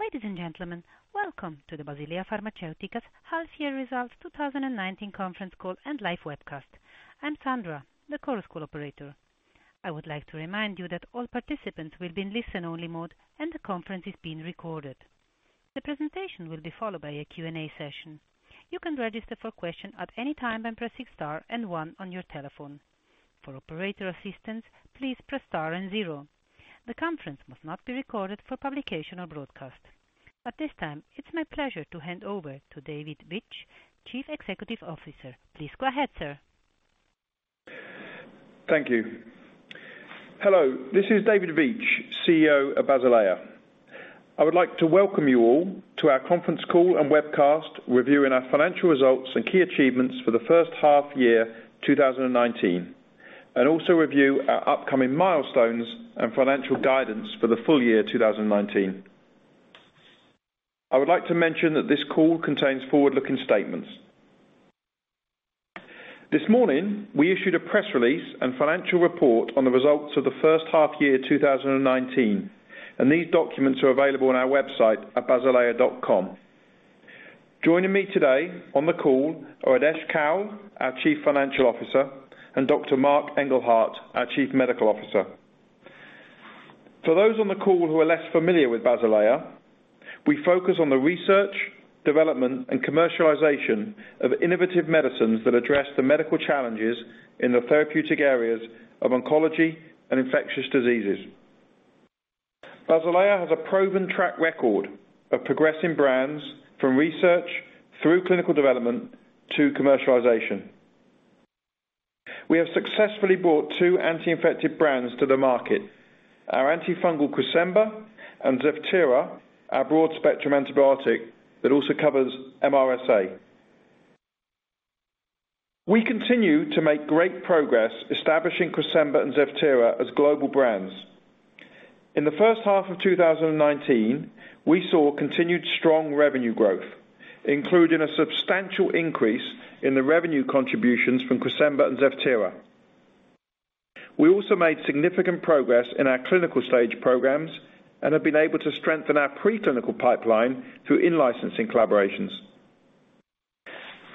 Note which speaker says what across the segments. Speaker 1: Ladies and gentlemen, welcome to the Basilea Pharmaceutica's half-year results 2019 conference call and live webcast. I'm Sandra, the Chorus Call operator. I would like to remind you that all participants will be in listen-only mode and the conference is being recorded. The presentation will be followed by a Q&A session. You can register for question at any time by pressing star and one on your telephone. For operator assistance, please press star and zero. The conference must not be recorded for publication or broadcast. At this time, it's my pleasure to hand over to David Veitch, Chief Executive Officer. Please go ahead, sir.
Speaker 2: Thank you. Hello, this is David Veitch, CEO of Basilea. I would like to welcome you all to our conference call and webcast reviewing our financial results and key achievements for the first half-year 2019, and also review our upcoming milestones and financial guidance for the full-year 2019. I would like to mention that this call contains forward-looking statements. This morning, we issued a press release and financial report on the results of the first half-year 2019. These documents are available on our website at basilea.com. Joining me today on the call are Adesh Kaul, our Chief Financial Officer, and Dr. Marc Engelhardt, our Chief Medical Officer. For those on the call who are less familiar with Basilea, we focus on the research, development, and commercialization of innovative medicines that address the medical challenges in the therapeutic areas of oncology and infectious diseases. Basilea has a proven track record of progressing brands from research through clinical development to commercialization. We have successfully brought two anti-infective brands to the market, our antifungal Cresemba and ZEVTERA, our broad-spectrum antibiotic that also covers MRSA. We continue to make great progress establishing Cresemba and ZEVTERA as global brands. In the first half of 2019, we saw continued strong revenue growth, including a substantial increase in the revenue contributions from Cresemba and ZEVTERA. We also made significant progress in our clinical stage programs and have been able to strengthen our preclinical pipeline through in-licensing collaborations.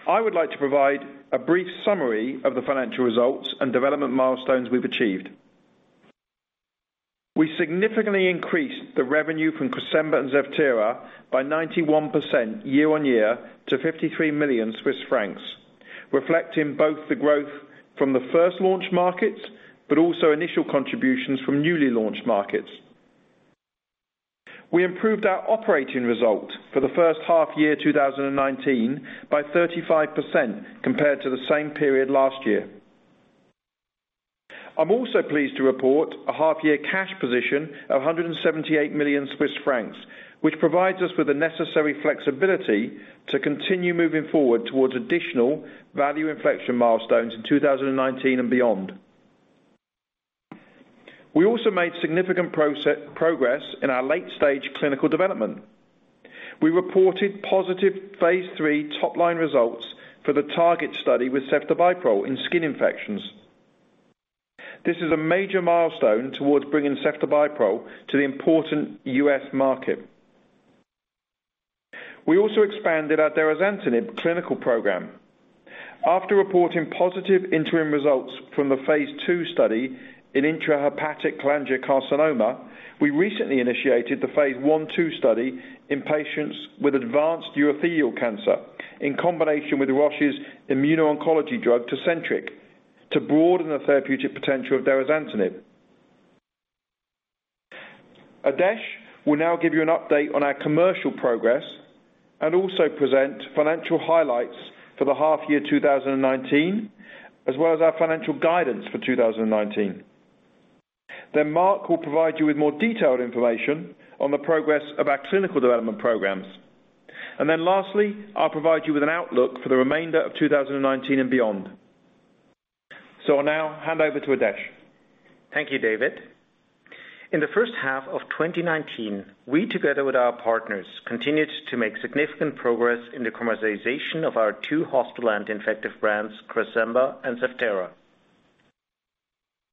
Speaker 2: I would like to provide a brief summary of the financial results and development milestones we've achieved. We significantly increased the revenue from Cresemba and ZEVTERA by 91% year-on-year to 53 million Swiss francs, reflecting both the growth from the first launch markets, but also initial contributions from newly launched markets. We improved our operating result for the first half-year 2019 by 35% compared to the same period last year. I am also pleased to report a half-year cash position of 178 million Swiss francs, which provides us with the necessary flexibility to continue moving forward towards additional value inflection milestones in 2019 and beyond. We also made significant progress in our late-stage clinical development. We reported positive phase III top-line results for the TARGET study with ceftobiprole in skin infections. This is a major milestone towards bringing ceftobiprole to the important U.S. market. We also expanded our derazantinib clinical program. After reporting positive interim results from the phase II study in intrahepatic cholangiocarcinoma, we recently initiated the phase I/II study in patients with advanced urothelial cancer, in combination with Roche's immuno-oncology drug, TECENTRIQ, to broaden the therapeutic potential of derazantinib. Adesh will now give you an update on our commercial progress and also present financial highlights for the half-year 2019, as well as our financial guidance for 2019. Marc will provide you with more detailed information on the progress of our clinical development programs. Lastly, I'll provide you with an outlook for the remainder of 2019 and beyond. I'll now hand over to Adesh.
Speaker 3: Thank you, David. In the first half of 2019, we together with our partners, continued to make significant progress in the commercialization of our two hospital anti-infective brands, Cresemba and ZEVTERA.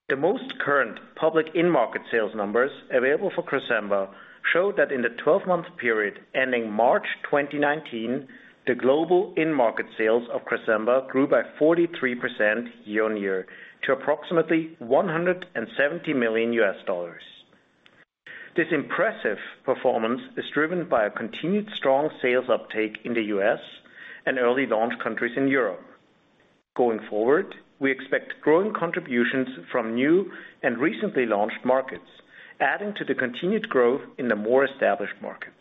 Speaker 3: The most current public in-market sales numbers available for Cresemba show that in the 12-month period ending March 2019, the global in-market sales of Cresemba grew by 43% year-on-year to approximately $170 million. This impressive performance is driven by a continued strong sales uptake in the U.S. and early launch countries in Europe. Going forward, we expect growing contributions from new and recently launched markets, adding to the continued growth in the more established markets.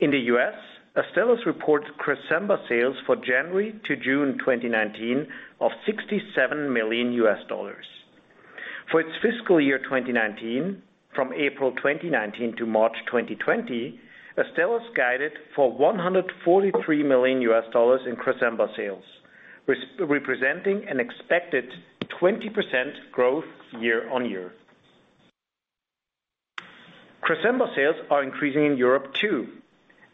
Speaker 3: In the U.S., Astellas reports Cresemba sales for January to June 2019 of $67 million. For its fiscal year 2019, from April 2019 to March 2020, Astellas guided for $143 million in Cresemba sales, representing an expected 20% growth year-on-year. Cresemba sales are increasing in Europe, too.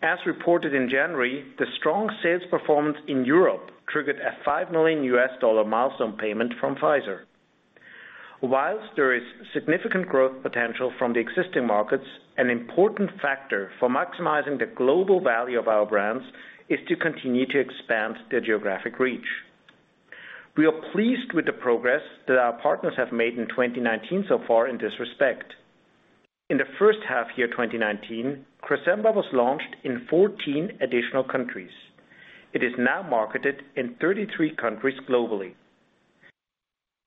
Speaker 3: As reported in January, the strong sales performance in Europe triggered a CHF 5 million milestone payment from Pfizer. While there is significant growth potential from the existing markets, an important factor for maximizing the global value of our brands is to continue to expand the geographic reach. We are pleased with the progress that our partners have made in 2019 so far in this respect. In the first half-year 2019, Cresemba was launched in 14 additional countries. It is now marketed in 33 countries globally.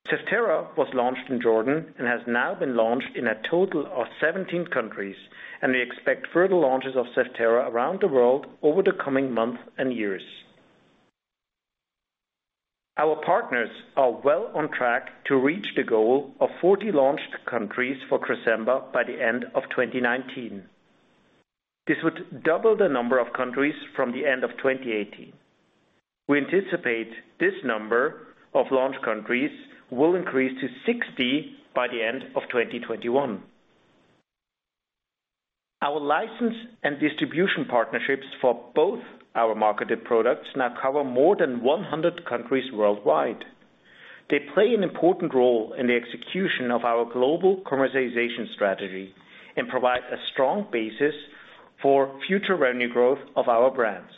Speaker 3: ZEVTERA was launched in Jordan and has now been launched in a total of 17 countries. We expect further launches of ZEVTERA around the world over the coming months and years. Our partners are well on track to reach the goal of 40 launched countries for Cresemba by the end of 2019. This would double the number of countries from the end of 2018. We anticipate this number of launch countries will increase to 60 by the end of 2021. Our license and distribution partnerships for both our marketed products now cover more than 100 countries worldwide. They play an important role in the execution of our global commercialization strategy and provide a strong basis for future revenue growth of our brands.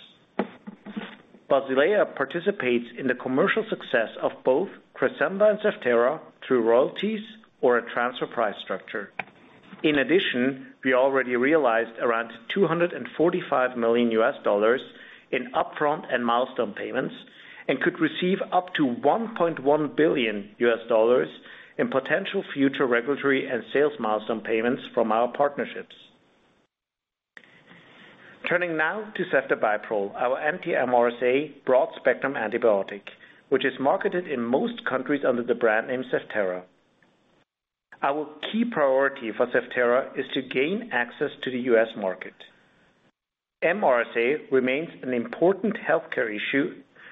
Speaker 3: Basilea participates in the commercial success of both Cresemba and ZEVTERA through royalties or a transfer price structure. In addition, we already realized around CHF 245 million in upfront and milestone payments and could receive up to CHF 1.1 billion in potential future regulatory and sales milestone payments from our partnerships. Turning now to ceftobiprole, our anti-MRSA broad-spectrum antibiotic, which is marketed in most countries under the brand name ZEVTERA. Our key priority for ZEVTERA is to gain access to the U.S. market. MRSA remains an important healthcare issue,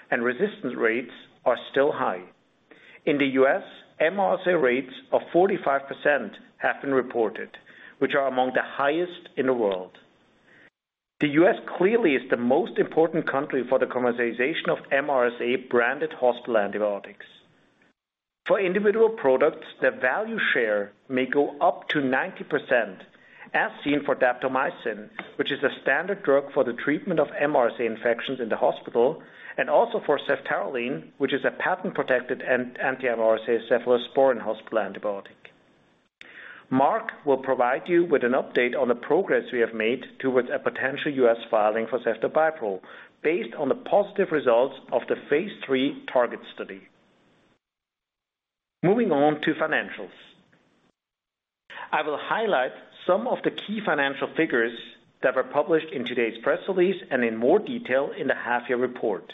Speaker 3: and resistance rates are still high. In the U.S., MRSA rates of 45% have been reported, which are among the highest in the world. The U.S. clearly is the most important country for the commercialization of MRSA-branded hospital antibiotics. For individual products, the value share may go up to 90%, as seen for daptomycin, which is a standard drug for the treatment of MRSA infections in the hospital, and also for ceftaroline, which is a patent-protected anti-MRSA cephalosporin hospital antibiotic. Marc will provide you with an update on the progress we have made towards a potential U.S. filing for ceftobiprole based on the positive results of the phase III TARGET study. Moving on to financials. I will highlight some of the key financial figures that were published in today's press release and in more detail in the half-year report.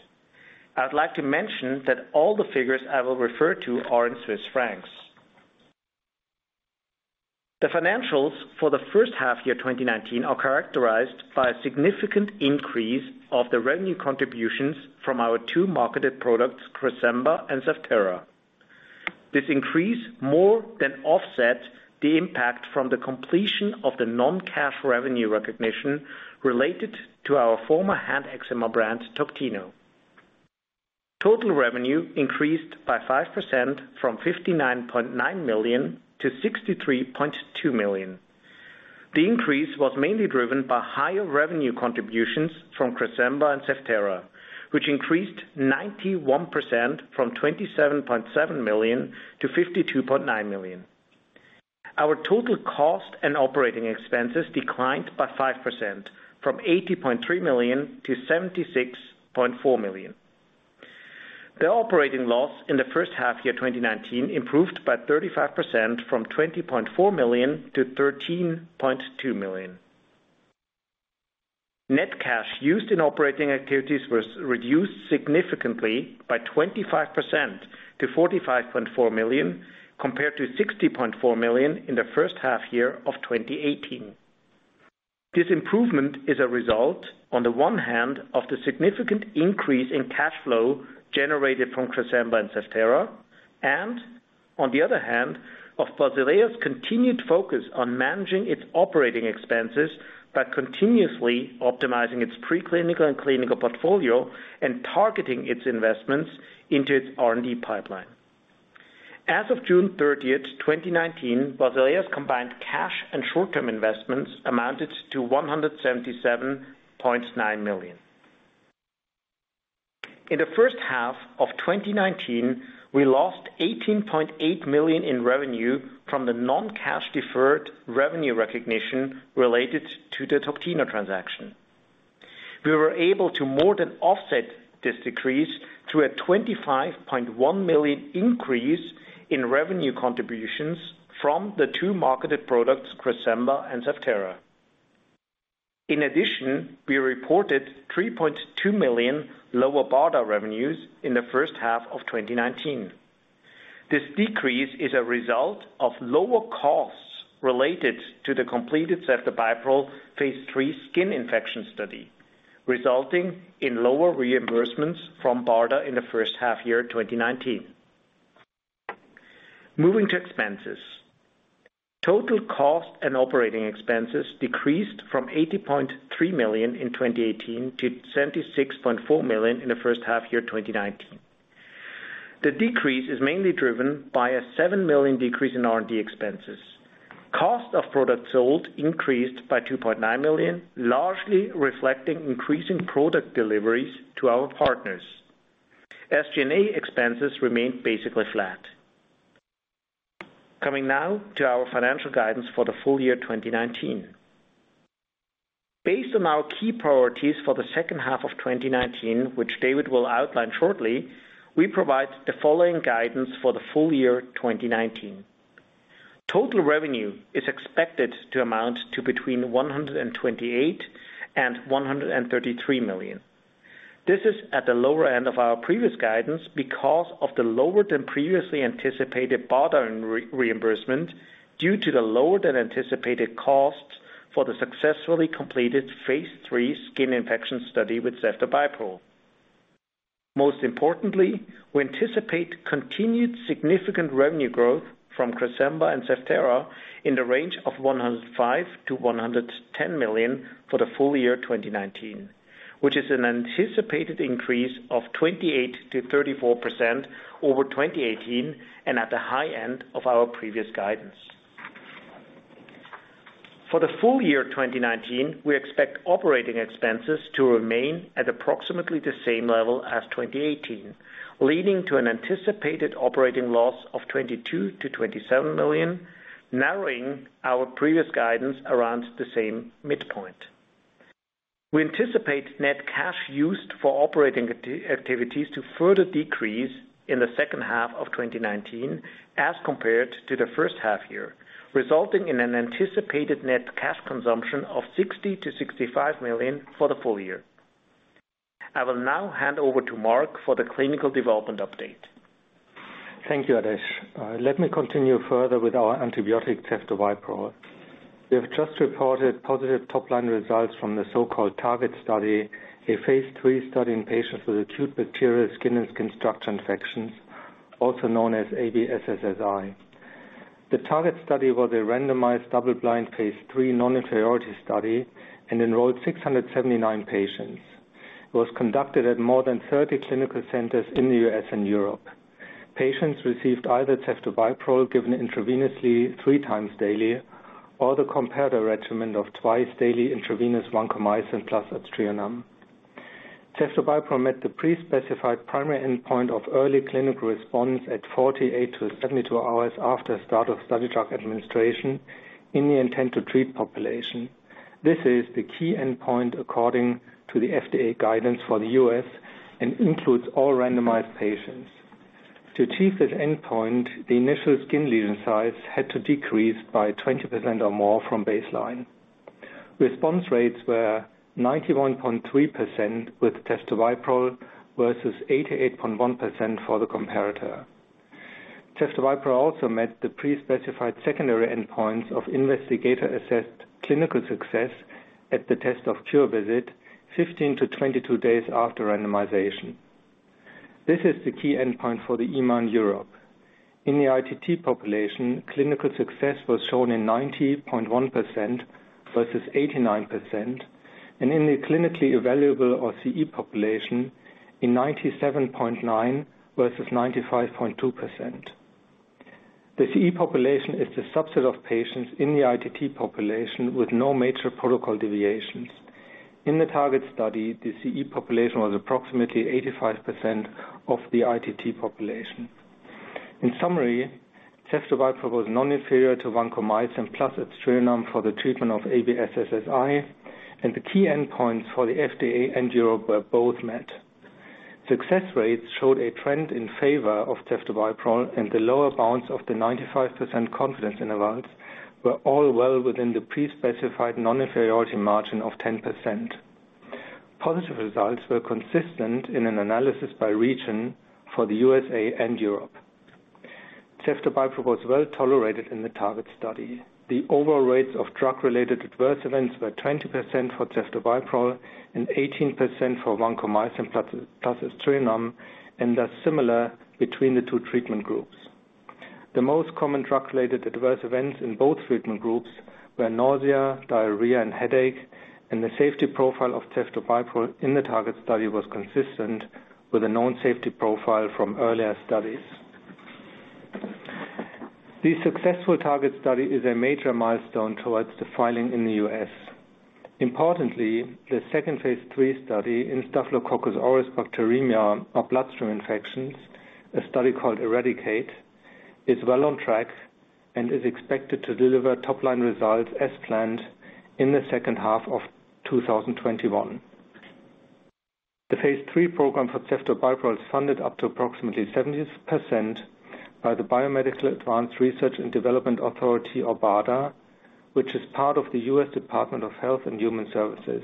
Speaker 3: I'd like to mention that all the figures I will refer to are in Swiss francs. The financials for the first half-year 2019 are characterized by a significant increase of the revenue contributions from our two marketed products, Cresemba and ZEVTERA. This increase more than offset the impact from the completion of the non-cash revenue recognition related to our former hand eczema brand, Toctino. Total revenue increased by 5%, from 59.9 million to 63.2 million. The increase was mainly driven by higher revenue contributions from Cresemba and ZEVTERA, which increased 91%, from 27.7 million to 52.9 million. Our total cost and operating expenses declined by 5%, from 80.3 million to 76.4 million. The operating loss in the first half-year 2019 improved by 35%, from 20.4 million to 13.2 million. Net cash used in operating activities was reduced significantly by 25% to 45.4 million, compared to 60.4 million in the first half-year of 2018. This improvement is a result, on the one hand, of the significant increase in cash flow generated from Cresemba and ZEVTERA, and on the other hand, of Basilea's continued focus on managing its operating expenses by continuously optimizing its preclinical and clinical portfolio and targeting its investments into its R&D pipeline. As of June 30th 2019, Basilea's combined cash and short-term investments amounted to 177.9 million. In the first half of 2019, we lost 18.8 million in revenue from the non-cash deferred revenue recognition related to the Toctino transaction. We were able to more than offset this decrease through a 25.1 million increase in revenue contributions from the two marketed products, Cresemba and ZEVTERA. In addition, we reported 3.2 million lower BARDA revenues in the first half of 2019. This decrease is a result of lower costs related to the completed ceftobiprole phase III skin infection study, resulting in lower reimbursements from BARDA in the first half-year 2019. Moving to expenses. Total cost and operating expenses decreased from 80.3 million in 2018 to 76.4 million in the first half-year 2019. The decrease is mainly driven by a 7 million decrease in R&D expenses. Cost of products sold increased by 2.9 million, largely reflecting increasing product deliveries to our partners. SG&A expenses remained basically flat. Coming now to our financial guidance for the full-year 2019. Based on our key priorities for the second half of 2019, which David will outline shortly, we provide the following guidance for the full-year 2019. Total revenue is expected to amount to between 128 million and 133 million. This is at the lower end of our previous guidance because of the lower than previously anticipated BARDA reimbursement due to the lower than anticipated costs for the successfully completed phase III skin infection study with ceftobiprole. Most importantly, we anticipate continued significant revenue growth from Cresemba and ZEVTERA in the range of 105 million to 110 million for the full-year 2019, which is an anticipated increase of 28%-34% over 2018 and at the high end of our previous guidance. For the full-year 2019, we expect operating expenses to remain at approximately the same level as 2018, leading to an anticipated operating loss of 22 million-27 million, narrowing our previous guidance around the same midpoint. We anticipate net cash used for operating activities to further decrease in the second half of 2019 as compared to the first half-year, resulting in an anticipated net cash consumption of 60 million-65 million for the full-year. I will now hand over to Marc for the clinical development update.
Speaker 4: Thank you, Adesh. Let me continue further with our antibiotic ceftobiprole. We have just reported positive top-line results from the so-called TARGET study, a phase III study in patients with Acute Bacterial Skin and Skin Structure Infections, also known as ABSSSI. The TARGET study was a randomized double-blind phase III non-inferiority study and enrolled 679 patients. It was conducted at more than 30 clinical centers in the U.S. and Europe. Patients received either ceftobiprole given intravenously three times daily or the comparator regimen of twice-daily intravenous vancomycin plus aztreonam. Ceftobiprole met the pre-specified primary endpoint of early clinical response at 48-72 hours after start of study drug administration in the intent-to-treat population. This is the key endpoint according to the FDA guidance for the U.S. and includes all randomized patients. To achieve this endpoint, the initial skin lesion size had to decrease by 20% or more from baseline. Response rates were 91.3% with ceftobiprole versus 88.1% for the comparator. Ceftobiprole also met the pre-specified secondary endpoints of investigator-assessed clinical success at the test-of-cure visit 15-22 days after randomization. This is the key endpoint for the EMA in Europe. In the ITT population, clinical success was shown in 90.1% versus 89%, and in the clinically evaluable or CE population in 97.9% versus 95.2%. The CE population is the subset of patients in the ITT population with no major protocol deviations. In the TARGET study, the CE population was approximately 85% of the ITT population. In summary, ceftobiprole was non-inferior to vancomycin plus aztreonam for the treatment of ABSSSI, and the key endpoints for the FDA and Europe were both met. Success rates showed a trend in favor of ceftobiprole, and the lower bounds of the 95% confidence intervals were all well within the pre-specified non-inferiority margin of 10%. Positive results were consistent in an analysis by region for the U.S. and Europe. Ceftobiprole was well-tolerated in the TARGET study. The overall rates of drug-related adverse events were 20% for ceftobiprole and 18% for vancomycin plus aztreonam, and are similar between the two treatment groups. The most common drug-related adverse events in both treatment groups were nausea, diarrhea, and headache, and the safety profile of ceftobiprole in the TARGET study was consistent with the known safety profile from earlier studies. The successful TARGET study is a major milestone towards the filing in the U.S. Importantly, the second phase III study in Staphylococcus aureus bacteremia of bloodstream infections, a study called ERADICATE, is well on track and is expected to deliver top-line results as planned in the second half of 2021. The phase III program for ceftobiprole is funded up to approximately 70% by the Biomedical Advanced Research and Development Authority of BARDA, which is part of the U.S. Department of Health and Human Services.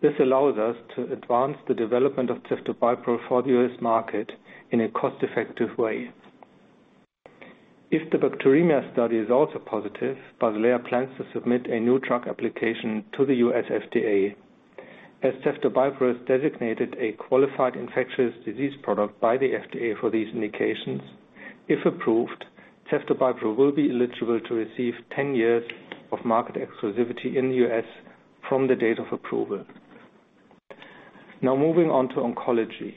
Speaker 4: This allows us to advance the development of ceftobiprole for the U.S. market in a cost-effective way. If the bacteremia study is also positive, Basilea plans to submit a new drug application to the U.S. FDA. Ceftobiprole is designated a qualified infectious disease product by the FDA for these indications. If approved, ceftobiprole will be eligible to receive 10 years of market exclusivity in the U.S. from the date of approval. Moving on to oncology.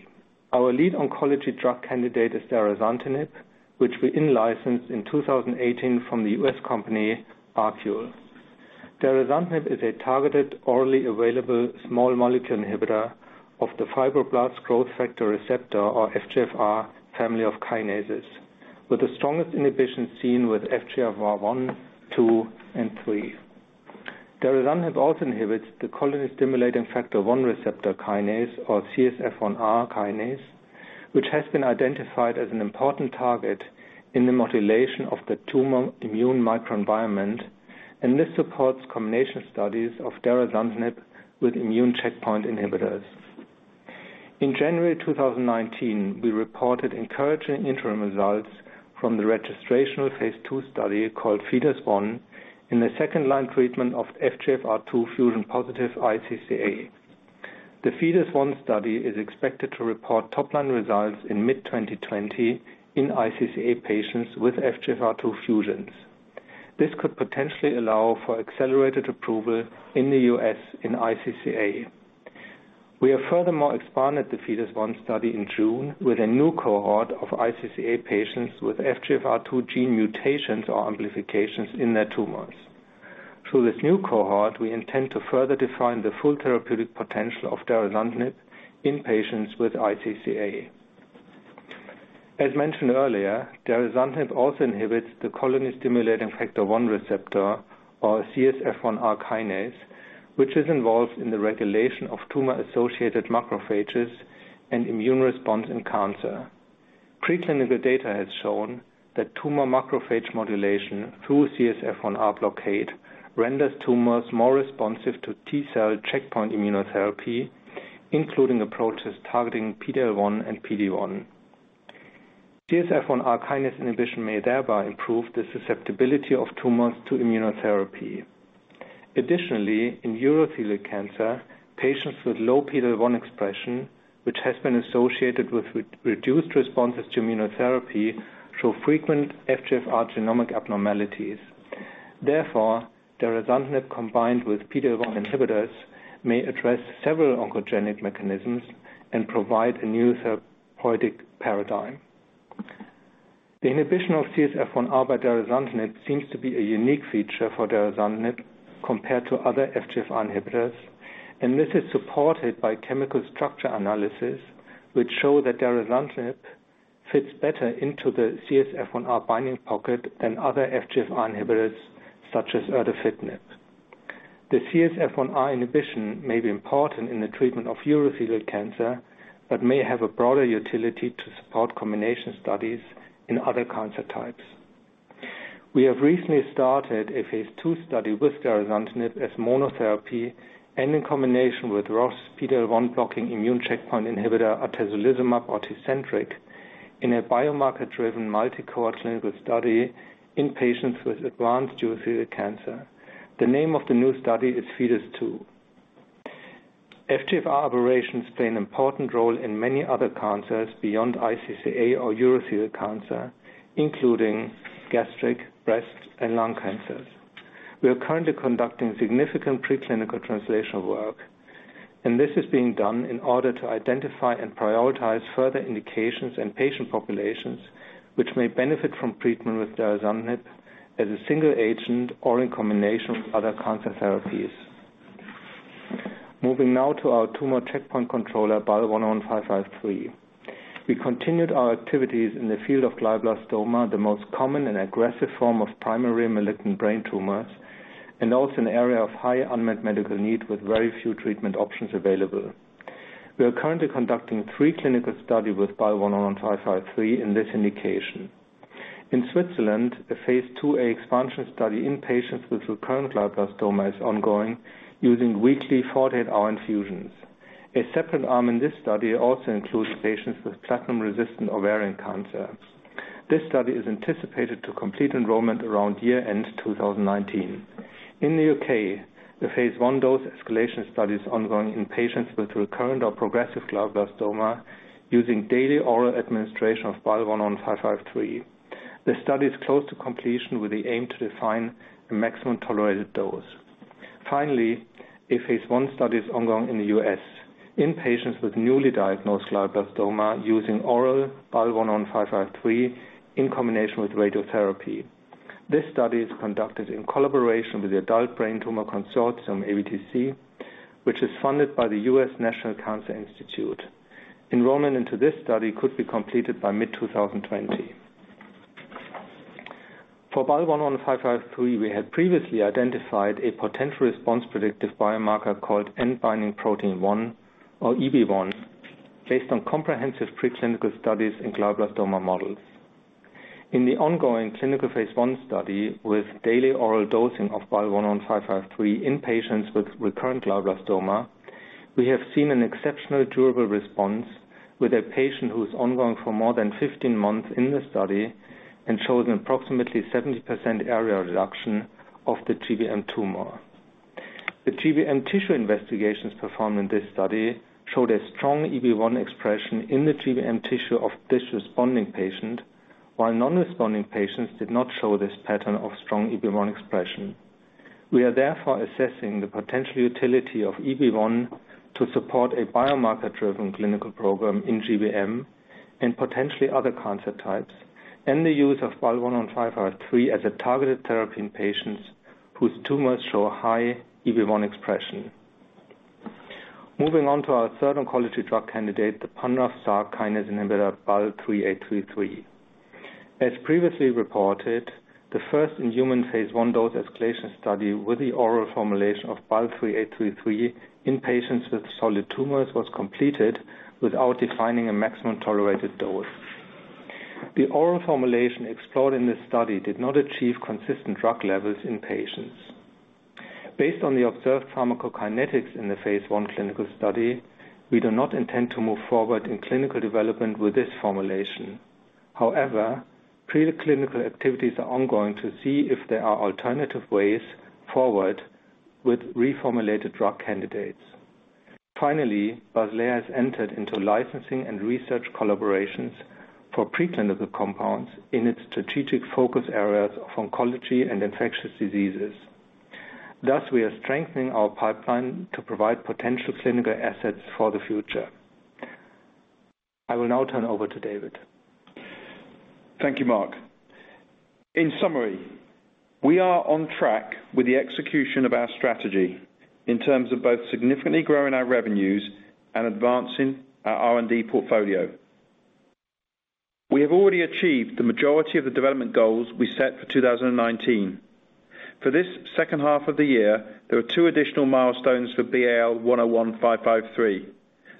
Speaker 4: Our lead oncology drug candidate is derazantinib, which we in-licensed in 2018 from the U.S. company ArQule. Derazantinib is a targeted orally available small molecule inhibitor of the fibroblast growth factor receptor, or FGFR, family of kinases, with the strongest inhibition seen with FGFR1, 2, and 3. Derazantinib also inhibits the colony-stimulating factor 1 receptor kinase, or CSF1R kinase, which has been identified as an important target in the modulation of the tumor immune microenvironment, and this supports combination studies of derazantinib with immune checkpoint inhibitors. In January 2019, we reported encouraging interim results from the registrational phase II study called FIDES-01 in the second-line treatment of FGFR2 fusion-positive iCCA. The FIDES-01 study is expected to report top-line results in mid-2020 in iCCA patients with FGFR2 fusions. This could potentially allow for accelerated approval in the U.S. in iCCA. We have furthermore expanded the FIDES-01 study in June with a new cohort of iCCA patients with FGFR2 gene mutations or amplifications in their tumors. Through this new cohort, we intend to further define the full therapeutic potential of derazantinib in patients with iCCA. As mentioned earlier, derazantinib also inhibits the colony-stimulating factor 1 receptor, or CSF1R kinase, which is involved in the regulation of tumor-associated macrophages and immune response in cancer. Preclinical data has shown that tumor macrophage modulation through CSF1R blockade renders tumors more responsive to T-cell checkpoint immunotherapy, including approaches targeting PD-L1 and PD-1. CSF1R kinase inhibition may thereby improve the susceptibility of tumors to immunotherapy. Additionally, in urothelial cancer, patients with low PD-L1 expression, which has been associated with reduced responses to immunotherapy, show frequent FGFR genomic abnormalities. Derazantinib combined with PD-L1 inhibitors may address several oncogenic mechanisms and provide a new therapeutic paradigm. The inhibition of CSF1R by derazantinib seems to be a unique feature for derazantinib compared to other FGFR inhibitors, this is supported by chemical structure analysis, which show that derazantinib fits better into the CSF1R binding pocket than other FGFR inhibitors, such as erdafitinib. The CSF1R inhibition may be important in the treatment of urothelial cancer may have a broader utility to support combination studies in other cancer types. We have recently started a phase II study with derazantinib as monotherapy and in combination with ROS PD-L1 blocking immune checkpoint inhibitor atezolizumab, TECENTRIQ, in a biomarker-driven multi-cohort clinical study in patients with advanced urothelial cancer. The name of the new study is FIDES-02. FGFR aberrations play an important role in many other cancers beyond iCCA or urothelial cancer, including gastric, breast, and lung cancers. We are currently conducting significant preclinical translational work, this is being done in order to identify and prioritize further indications and patient populations which may benefit from treatment with derazantinib as a single agent or in combination with other cancer therapies. Moving now to our tumor checkpoint controller, BAL101553. We continued our activities in the field of glioblastoma, the most common and aggressive form of primary malignant brain tumors, and also an area of high unmet medical need with very few treatment options available. We are currently conducting three clinical study with BAL101553 in this indication. In Switzerland, a phase II-A expansion study in patients with recurrent glioblastoma is ongoing using weekly four-day hour infusions. A separate arm in this study also includes patients with platinum-resistant ovarian cancer. This study is anticipated to complete enrollment around year-end 2019. In the U.K., the phase I dose escalation study is ongoing in patients with recurrent or progressive glioblastoma using daily oral administration of BAL101553. The study is close to completion with the aim to define the maximum tolerated dose. Finally, a phase I study is ongoing in the U.S. in patients with newly diagnosed glioblastoma using oral BAL101553 in combination with radiotherapy. This study is conducted in collaboration with the Adult Brain Tumor Consortium, ABTC, which is funded by the U.S. National Cancer Institute. Enrollment into this study could be completed by mid-2020. For BAL101553, we had previously identified a potential response-predictive biomarker called end-binding protein 1, or EB1, based on comprehensive preclinical studies in glioblastoma models. In the ongoing clinical phase I study with daily oral dosing of BAL101553 in patients with recurrent glioblastoma, we have seen an exceptional durable response. With a patient who's ongoing for more than 15 months in the study, and shows an approximately 70% area reduction of the GBM tumor. The GBM tissue investigations performed in this study showed a strong EB1 expression in the GBM tissue of this responding patient, while non-responding patients did not show this pattern of strong EB1 expression. We are therefore assessing the potential utility of EB1 to support a biomarker-driven clinical program in GBM, and potentially other cancer types, and the use of BAL101553 as a targeted therapy in patients whose tumors show high EB1 expression. Moving on to our third oncology drug candidate, the pan-RAF kinase inhibitor, BAL3833. As previously reported, the first-in-human phase I dose-escalation study with the oral formulation of BAL3833 in patients with solid tumors was completed without defining a maximum tolerated dose. The oral formulation explored in this study did not achieve consistent drug levels in patients. Based on the observed pharmacokinetics in the phase I clinical study, we do not intend to move forward in clinical development with this formulation. However, preclinical activities are ongoing to see if there are alternative ways forward with reformulated drug candidates. Finally, Basilea has entered into licensing and research collaborations for preclinical compounds in its strategic focus areas of oncology and infectious diseases. Thus, we are strengthening our pipeline to provide potential clinical assets for the future. I will now turn over to David.
Speaker 2: Thank you, Marc. In summary, we are on track with the execution of our strategy in terms of both significantly growing our revenues and advancing our R&D portfolio. We have already achieved the majority of the development goals we set for 2019. For this second half of the year, there are two additional milestones for BAL101553.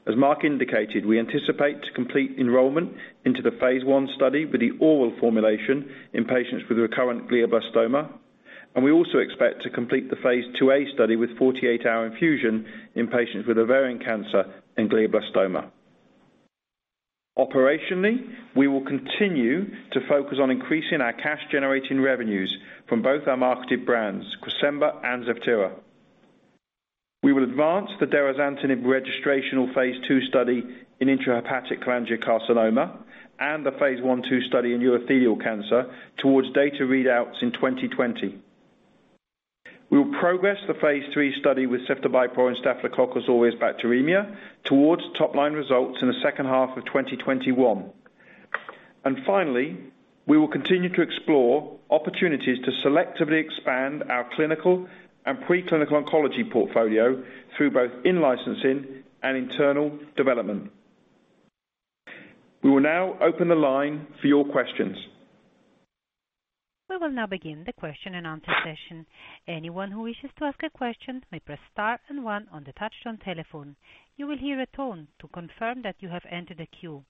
Speaker 2: As Marc indicated, we anticipate to complete enrollment into the phase I study with the oral formulation in patients with recurrent glioblastoma, and we also expect to complete the phase II-A study with 48-hour infusion in patients with ovarian cancer and glioblastoma. Operationally, we will continue to focus on increasing our cash-generating revenues from both our marketed brands, Cresemba and ZEVTERA. We will advance the derazantinib registrational phase II study in intrahepatic cholangiocarcinoma and the phase I/II study in urothelial cancer towards data readouts in 2020. We will progress the phase III study with ceftobiprole in Staphylococcus aureus bacteremia towards top-line results in the second half of 2021. Finally, we will continue to explore opportunities to selectively expand our clinical and preclinical oncology portfolio through both in-licensing and internal development. We will now open the line for your questions.
Speaker 1: We will now begin the question and answer session. Anyone who wishes to ask a question may press star and one on the touchtone telephone. You will hear a tone to confirm that you have entered a queue.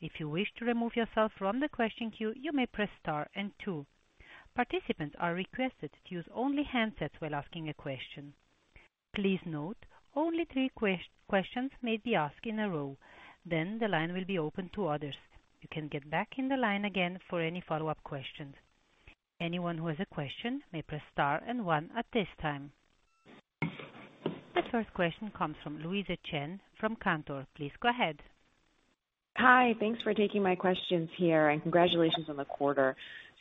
Speaker 1: If you wish to remove yourself from the question queue, you may press star and two. Participants are requested to use only handsets while asking a question. Please note, only three questions may be asked in a row, then the line will be open to others. You can get back in the line again for any follow-up questions. Anyone who has a question may press star and one at this time. The first question comes from Louise Chen from Cantor. Please go ahead.
Speaker 5: Hi. Thanks for taking my questions here, and congratulations on the quarter.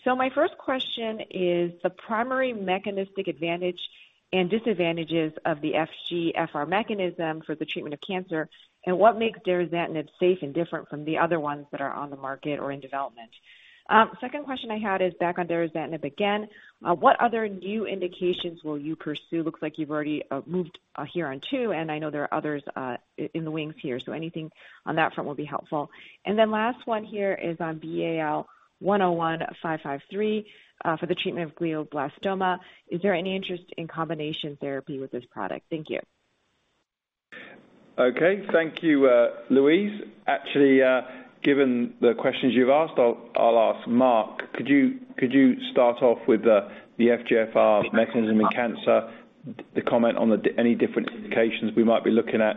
Speaker 5: My first question is the primary mechanistic advantage and disadvantages of the FGFR mechanism for the treatment of cancer, and what makes derazantinib safe and different from the other ones that are on the market or in development. Second question I had is back on derazantinib again. What other new indications will you pursue? Looks like you've already moved here on two, and I know there are others in the wings here, so anything on that front will be helpful. Last one here is on BAL101553, for the treatment of glioblastoma. Is there any interest in combination therapy with this product? Thank you.
Speaker 2: Okay. Thank you, Louise. Actually, given the questions you've asked, I'll ask Marc. Could you start off with the FGFR mechanism in cancer, the comment on any different indications we might be looking at.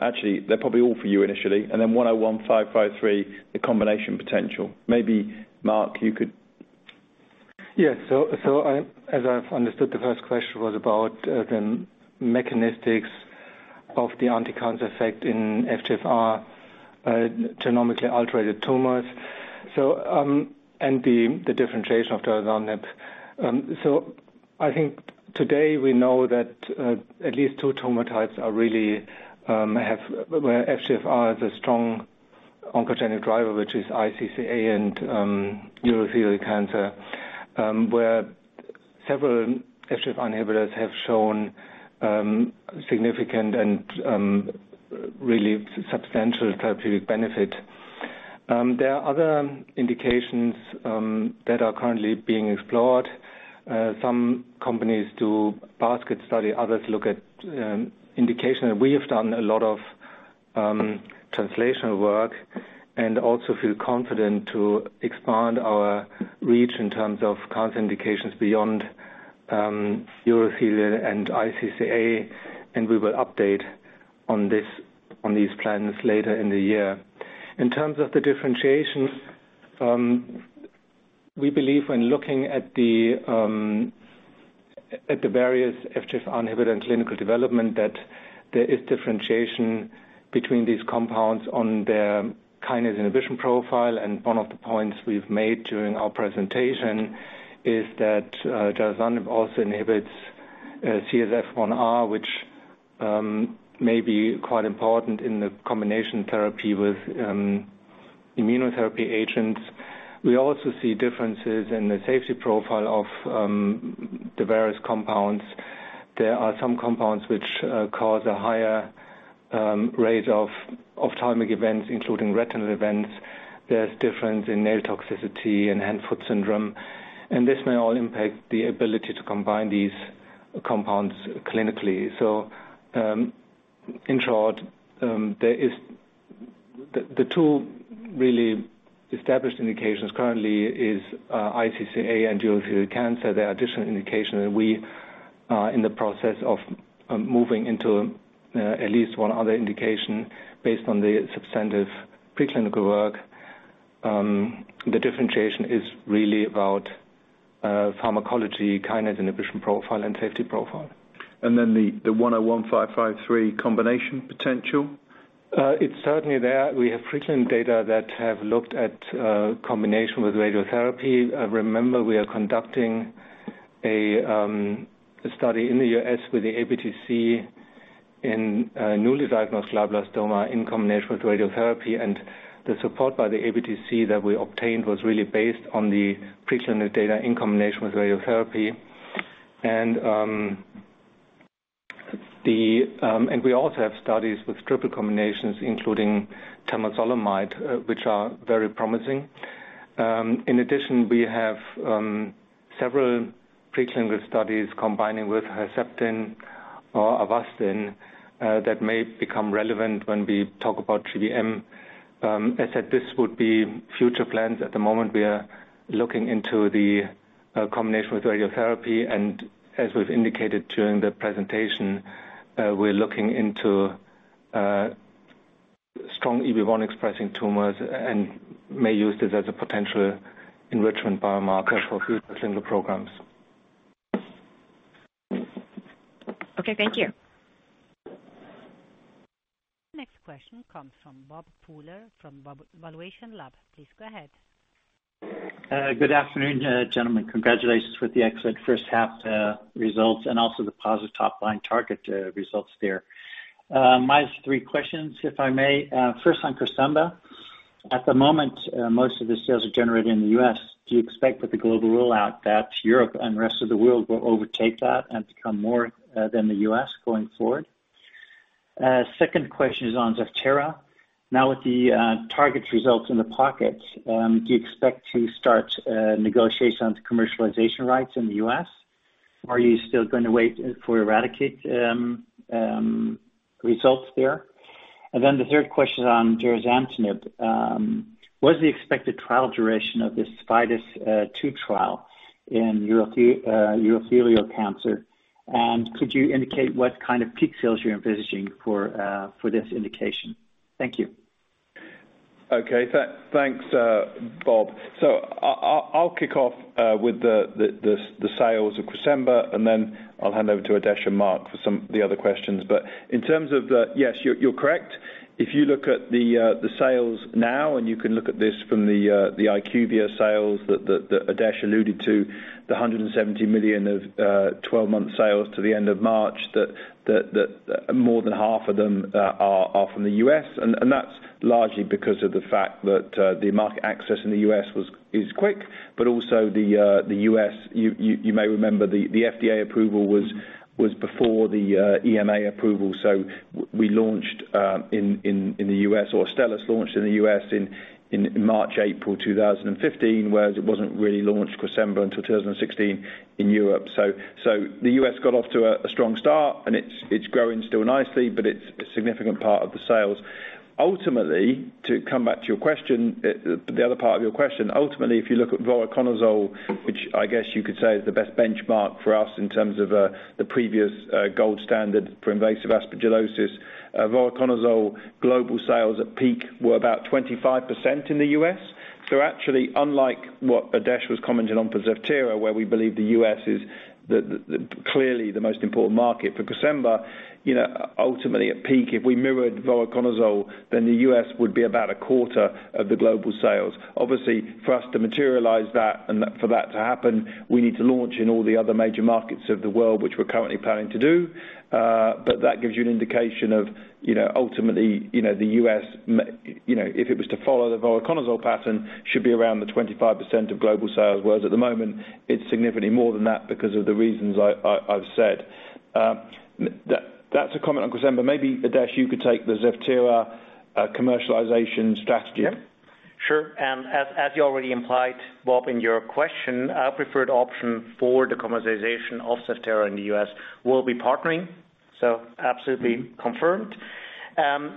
Speaker 2: Actually, they're probably all for you initially, and then 101553, the combination potential. Maybe Marc, you could.
Speaker 4: Yes. As I've understood, the first question was about the mechanistics of the anti-cancer effect in FGFR genomically altered tumors, and the differentiation of derazantinib. I think today we know that at least two tumor types really have, where FGFR is a strong oncogenic driver, which is iCCA and urothelial cancer, where several FGFR inhibitors have shown significant and really substantial therapeutic benefit. There are other indications that are currently being explored. Some companies do basket study, others look at indication. We have done a lot of translational work and also feel confident to expand our reach in terms of cancer indications beyond urothelial and iCCA, and we will update on these plans later in the year. In terms of the differentiations, we believe when looking at the various FGFR inhibitor in clinical development, that there is differentiation between these compounds on their kinase inhibition profile. One of the points we've made during our presentation is that derazantinib also inhibits CSF1R, which may be quite important in the combination therapy with immunotherapy agents. We also see differences in the safety profile of the various compounds. There are some compounds which cause a higher rate of ophthalmic events, including retinal events. There's difference in nail toxicity and hand-foot syndrome, and this may all impact the ability to combine these compounds clinically. In short, the two really established indications currently is iCCA and urothelial cancer. There are additional indication that we are in the process of moving into at least one other indication based on the substantive preclinical work. The differentiation is really about pharmacology, kinase inhibition profile, and safety profile.
Speaker 2: The 101553 combination potential?
Speaker 4: It's certainly there. We have frequent data that have looked at combination with radiotherapy. Remember, we are conducting a study in the U.S. with the ABTC in newly diagnosed glioblastoma in combination with radiotherapy, and the support by the ABTC that we obtained was really based on the preclinical data in combination with radiotherapy. We also have studies with triple combinations, including temozolomide, which are very promising. In addition, we have several preclinical studies combining with Herceptin or Avastin that may become relevant when we talk about GBM. As said, this would be future plans. At the moment, we are looking into the combination with radiotherapy, and as we've indicated during the presentation, we're looking into strong EB1-expressing tumors and may use this as a potential enrichment biomarker for future clinical programs.
Speaker 5: Okay, thank you.
Speaker 1: Next question comes from Bob Pooler from valuationLAB. Please go ahead.
Speaker 6: Good afternoon, gentlemen. Congratulations with the excellent first half results and also the positive top-line TARGET results there. Mine's three questions, if I may. First, on Cresemba. At the moment, most of the sales are generated in the U.S. Do you expect with the global rollout that Europe and the rest of the world will overtake that and become more than the U.S. going forward? Second question is on ZEVTERA. With the TARGET results in the pocket, do you expect to start negotiations commercialization rights in the U.S., or are you still going to wait for ERADICATE results there? The third question on derazantinib. What is the expected trial duration of this FIDES-02 trial in urothelial cancer, and could you indicate what kind of peak sales you're envisaging for this indication? Thank you.
Speaker 2: Okay. Thanks, Bob. I'll kick off with the sales of Cresemba, and then I'll hand over to Adesh and Marc for the other questions. Yes, you're correct. If you look at the sales now, and you can look at this from the IQVIA sales that Adesh alluded to, the $170 million of 12-month sales to the end of March, that more than half of them are from the U.S. That's largely because of the fact that the market access in the U.S. is quick, but also the U.S., you may remember the FDA approval was before the EMA approval. We launched in the U.S., or Astellas launched in the U.S. in March, April 2015, whereas it wasn't really launched Cresemba until 2016 in Europe. The U.S. got off to a strong start, and it's growing still nicely, but it's a significant part of the sales. Ultimately, to come back to the other part of your question, ultimately, if you look at voriconazole, which I guess you could say is the best benchmark for us in terms of the previous gold standard for invasive aspergillosis. voriconazole global sales at peak were about 25% in the U.S. Actually, unlike what Adesh was commenting on for ZEVTERA, where we believe the U.S. is clearly the most important market for Cresemba, ultimately at peak, if we mirrored voriconazole, then the U.S. would be about a quarter of the global sales. Obviously, for us to materialize that and for that to happen, we need to launch in all the other major markets of the world, which we're currently planning to do. That gives you an indication of ultimately, the U.S., if it was to follow the voriconazole pattern, should be around the 25% of global sales. Whereas at the moment, it's significantly more than that because of the reasons I've said. That's a comment on Cresemba. Maybe, Adesh, you could take the ZEVTERA commercialization strategy.
Speaker 3: Sure. As you already implied, Bob, in your question, our preferred option for the commercialization of ZEVTERA in the U.S. will be partnering. Absolutely confirmed.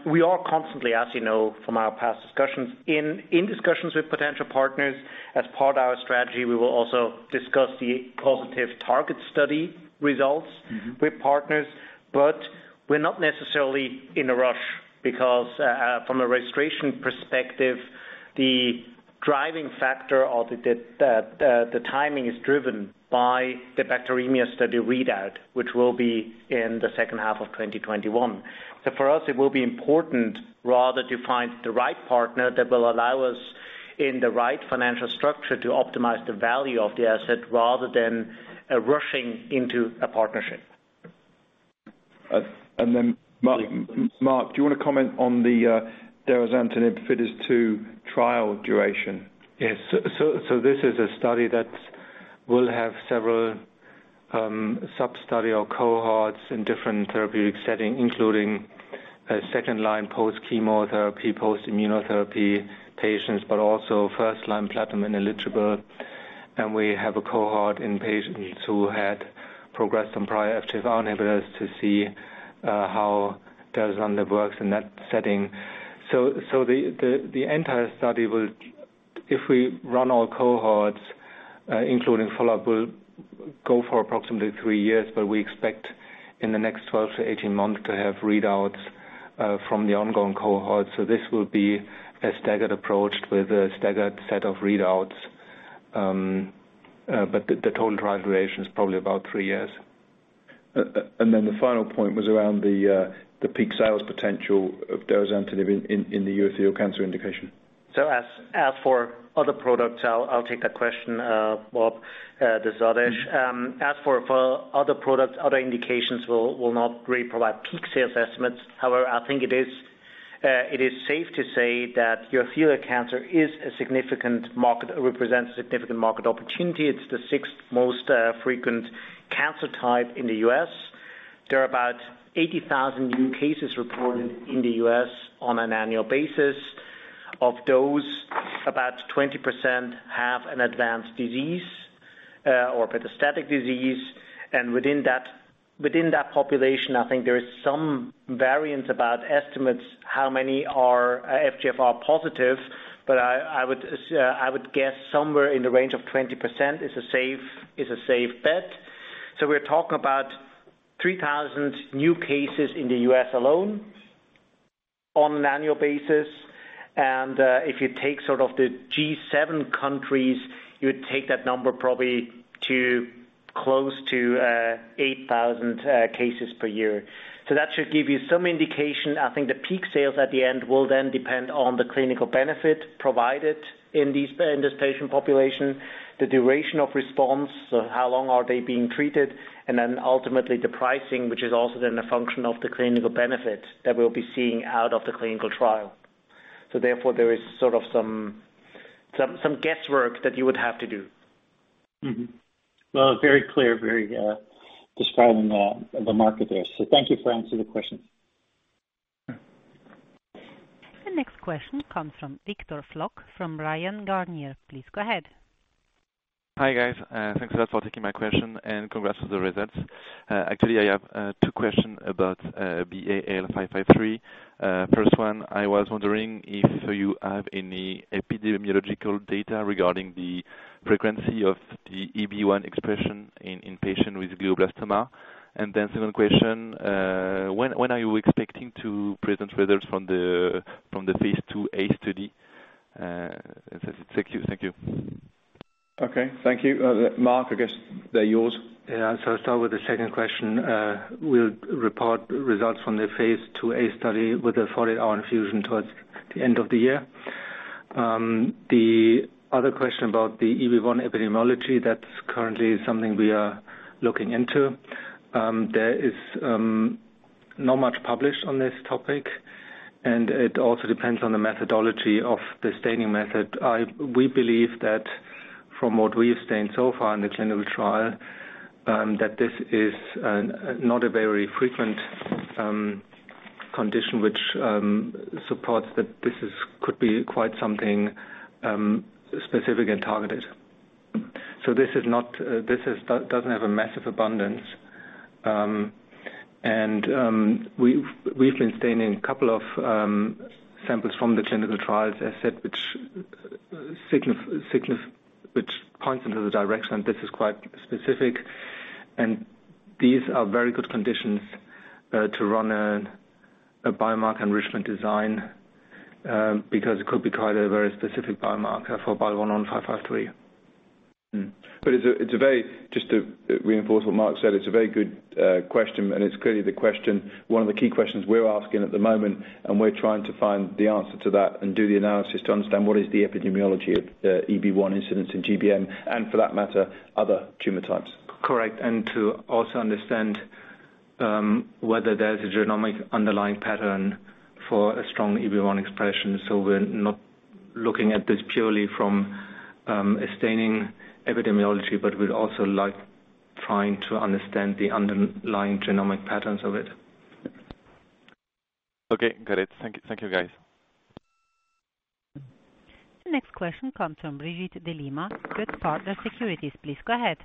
Speaker 3: We are constantly, as you know from our past discussions, in discussions with potential partners. As part of our strategy, we will also discuss the positive TARGET study results with partners. We're not necessarily in a rush because, from a registration perspective, the driving factor or the timing is driven by the bacteremia study readout, which will be in the second half of 2021. For us, it will be important rather to find the right partner that will allow us in the right financial structure to optimize the value of the asset rather than rushing into a partnership.
Speaker 2: Marc, do you want to comment on the FIDES-02 trial duration?
Speaker 4: Yes. This is a study that will have several sub-study or cohorts in different therapeutic setting, including second-line post-chemotherapy, post-immunotherapy patients, also first-line platinum-ineligible. We have a cohort in patients who had progressed on prior FGFR inhibitors to see how derazantinib works in that setting. The entire study will, if we run all cohorts, including follow-up, will go for approximately three years. We expect in the next 12-18 months to have readouts from the ongoing cohort. This will be a staggered approach with a staggered set of readouts. The total trial duration is probably about three years. The final point was around the peak sales potential of derazantinib in the urothelial cancer indication.
Speaker 3: As for other products, I'll take that question, Bob. As for other products, other indications will not really provide peak sales estimates. I think it is safe to say that urothelial cancer represents a significant market opportunity. It's the sixth most frequent cancer type in the U.S.. There are about 80,000 new cases reported in the U.S. on an annual basis. Of those, about 20% have an advanced disease or metastatic disease. Within that population, I think there is some variance about estimates how many are FGFR positive. I would guess somewhere in the range of 20% is a safe bet. We're talking about 3,000 new cases in the U.S. alone on an annual basis. If you take sort of the G7 countries, you would take that number probably to close to 8,000 cases per year. That should give you some indication. I think the peak sales at the end will then depend on the clinical benefit provided in this patient population, the duration of response, how long are they being treated, and then ultimately the pricing, which is also then a function of the clinical benefit that we'll be seeing out of the clinical trial. Therefore, there is sort of some guesswork that you would have to do.
Speaker 6: Well, very clear, very describing the market there. Thank you for answering the question.
Speaker 1: The next question comes from Victor Floc'h from Bryan, Garnier. Please go ahead.
Speaker 7: Hi, guys. Thanks a lot for taking my question and congrats on the results. Actually, I have two questions about BAL101553. First one, I was wondering if you have any epidemiological data regarding the frequency of the EB1 expression in patient with glioblastoma. Second question, when are you expecting to present results from the phase II-A study? Thank you.
Speaker 2: Okay. Thank you. Marc, I guess they're yours.
Speaker 4: Yeah. I'll start with the second question. We'll report results from the phase II-A study with the 48-hour infusion towards the end of the year. The other question about the EB1 epidemiology, that's currently something we are looking into. There is not much published on this topic, and it also depends on the methodology of the staining method. We believe that from what we have stained so far in the clinical trial, that this is not a very frequent condition which supports that this could be quite something specific and targeted. This doesn't have a massive abundance. We've been staining a couple of samples from the clinical trials asset, which points into the direction this is quite specific. These are very good conditions to run a biomarker enrichment design, because it could be quite a very specific biomarker for BAL101553.
Speaker 2: Just to reinforce what Marc said, it's a very good question, and it's clearly one of the key questions we're asking at the moment, and we're trying to find the answer to that and do the analysis to understand what is the epidemiology of the EB1 incidence in GBM, and for that matter, other tumor types.
Speaker 4: Correct. To also understand whether there's a genomic underlying pattern for a strong EB1 expression. We're not looking at this purely from a staining epidemiology, but we'd also like trying to understand the underlying genomic patterns of it.
Speaker 7: Okay, got it. Thank you, guys.
Speaker 1: Next question comes from Brigitte de Lima with goetzpartners securities. Please go ahead.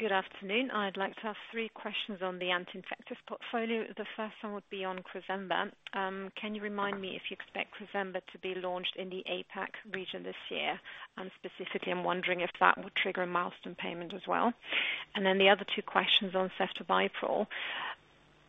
Speaker 8: Good afternoon. I'd like to ask three questions on the anti-infectives portfolio. The first one would be on Cresemba. Can you remind me if you expect Cresemba to be launched in the APAC region this year? Specifically, I'm wondering if that would trigger a milestone payment as well. The other two questions on ceftobiprole.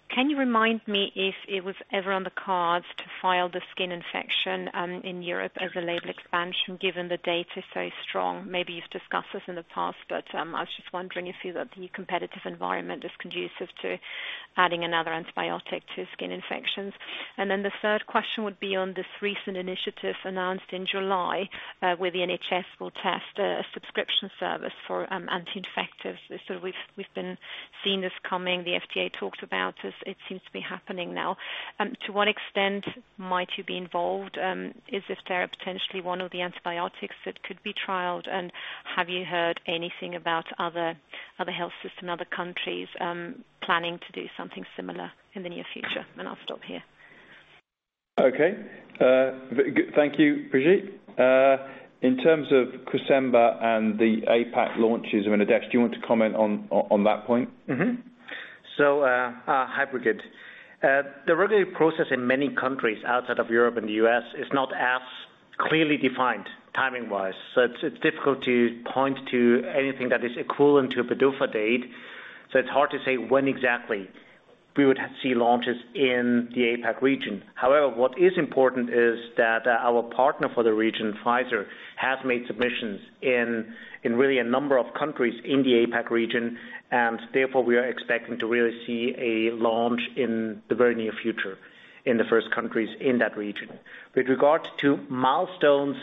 Speaker 8: Can you remind me if it was ever on the cards to file the skin infection in Europe as a label expansion, given the data is so strong? Maybe you've discussed this in the past, but I was just wondering if you thought the competitive environment is conducive to adding another antibiotic to skin infections. The third question would be on this recent initiative announced in July, where the NHS will test a subscription service for anti-infectives. We've been seeing this coming. The FDA talked about this, it seems to be happening now. To what extent might you be involved? Is ZEVTERA potentially one of the antibiotics that could be trialed? Have you heard anything about other health systems, other countries planning to do something similar in the near future? I'll stop here.
Speaker 2: Okay. Thank you, Brigitte. In terms of Cresemba and the APAC launches, Adesh, do you want to comment on that point?
Speaker 3: Hi, Brigitte. The regulatory process in many countries outside of Europe and the U.S. is not as clearly defined timing-wise, so it's difficult to point to anything that is equivalent to a PDUFA date, so it's hard to say when exactly we would see launches in the APAC region. What is important is that our partner for the region, Pfizer, has made submissions in really a number of countries in the APAC region, and therefore we are expecting to really see a launch in the very near future in the first countries in that region. With regard to milestones,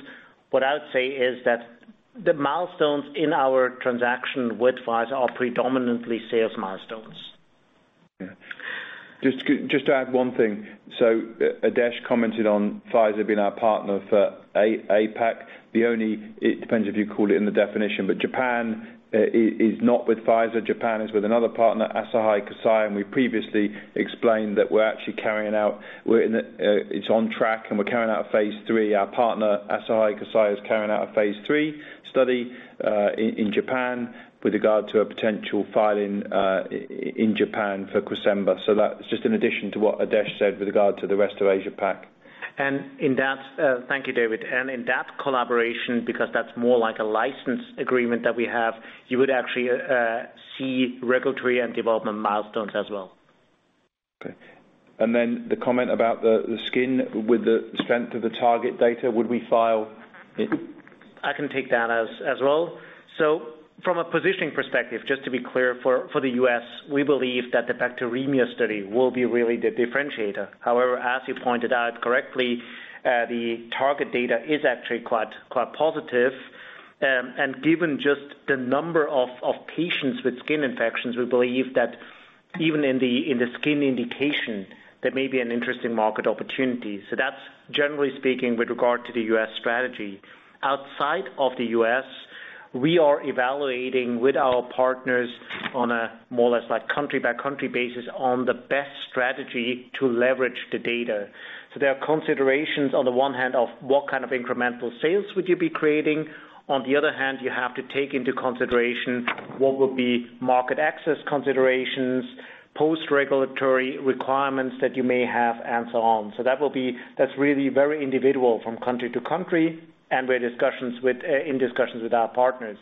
Speaker 3: what I would say is that the milestones in our transaction with Pfizer are predominantly sales milestones.
Speaker 2: Just to add one thing. Adesh commented on Pfizer being our partner for APAC. It depends if you call it in the definition, but Japan is not with Pfizer. Japan is with another partner, Asahi Kasei, and we previously explained that it's on track, and we're carrying out phase III. Our partner, Asahi Kasei, is carrying out a phase III study in Japan with regard to a potential filing in Japan for Cresemba. That's just in addition to what Adesh said with regard to the rest of Asia-Pac.
Speaker 3: Thank you, David. In that collaboration, because that's more like a license agreement that we have, you would actually see regulatory and development milestones as well.
Speaker 2: Okay. The comment about the skin with the strength of the TARGET data, would we file it?
Speaker 3: I can take that as well. From a positioning perspective, just to be clear, for the U.S., we believe that the bacteremia study will be really the differentiator. However, as you pointed out correctly, the TARGET data is actually quite positive. Given just the number of patients with skin infections, we believe that even in the skin indication, there may be an interesting market opportunity. That's generally speaking, with regard to the U.S. strategy. Outside of the U.S., we are evaluating with our partners on a more or less country-by-country basis on the best strategy to leverage the data. There are considerations on the one hand of what kind of incremental sales would you be creating. On the other hand, you have to take into consideration what would be market access considerations, post-regulatory requirements that you may have, and so on. That's really very individual from country to country, and we're in discussions with our partners.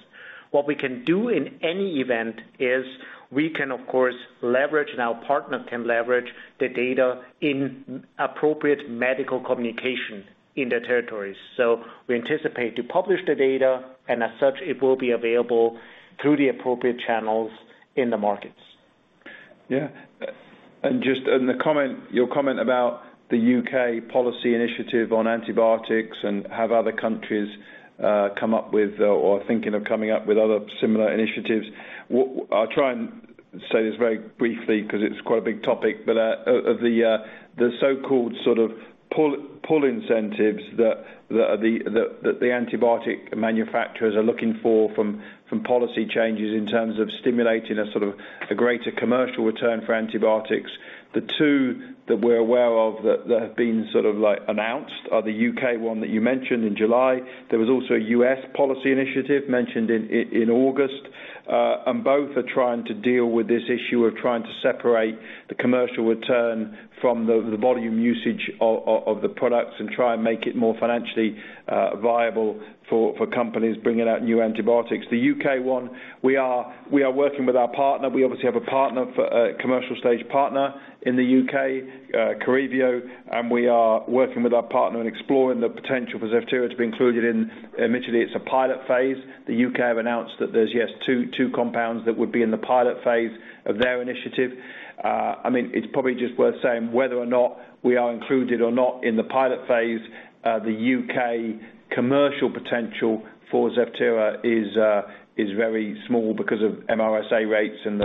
Speaker 3: What we can do in any event is we can, of course, leverage and our partner can leverage the data in appropriate medical communication in the territories. We anticipate to publish the data, and as such, it will be available through the appropriate channels in the markets.
Speaker 2: Yeah. Your comment about the U.K. policy initiative on antibiotics and have other countries come up with, or thinking of coming up with other similar initiatives? I'll try and say this very briefly because it's quite a big topic, of the so-called sort of pull incentives that the antibiotic manufacturers are looking for from policy changes in terms of stimulating a sort of greater commercial return for antibiotics. The two that we're aware of that have been sort of announced are the U.K. one that you mentioned in July. There was also a U.S. policy initiative mentioned in August. Both are trying to deal with this issue of trying to separate the commercial return from the volume usage of the products and try and make it more financially viable for companies bringing out new antibiotics. The U.K. one, we are working with our partner. We obviously have a commercial stage partner in the U.K., Correvio, and we are working with our partner and exploring the potential for ZEVTERA to be included in, initially a pilot phase. The U.K. have announced that there's two compounds that would be in the pilot phase of their initiative. It's probably just worth saying whether or not we are included or not in the pilot phase, the U.K. commercial potential for ZEVTERA is very small because of MRSA rates and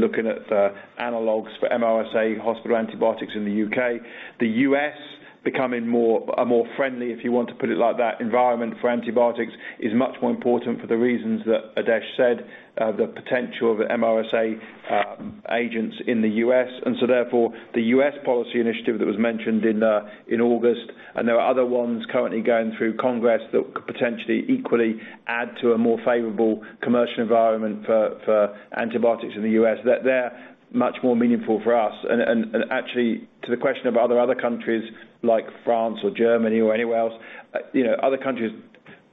Speaker 2: looking at the analogs for MRSA hospital antibiotics in the U.K. The U.S. becoming a more friendly, if you want to put it like that, environment for antibiotics is much more important for the reasons that Adesh said, the potential of MRSA agents in the U.S. Therefore, the U.S. policy initiative that was mentioned in August, and there are other ones currently going through Congress that could potentially equally add to a more favorable commercial environment for antibiotics in the U.S. They're much more meaningful for us. Actually, to the question of are there other countries like France or Germany or anywhere else, other countries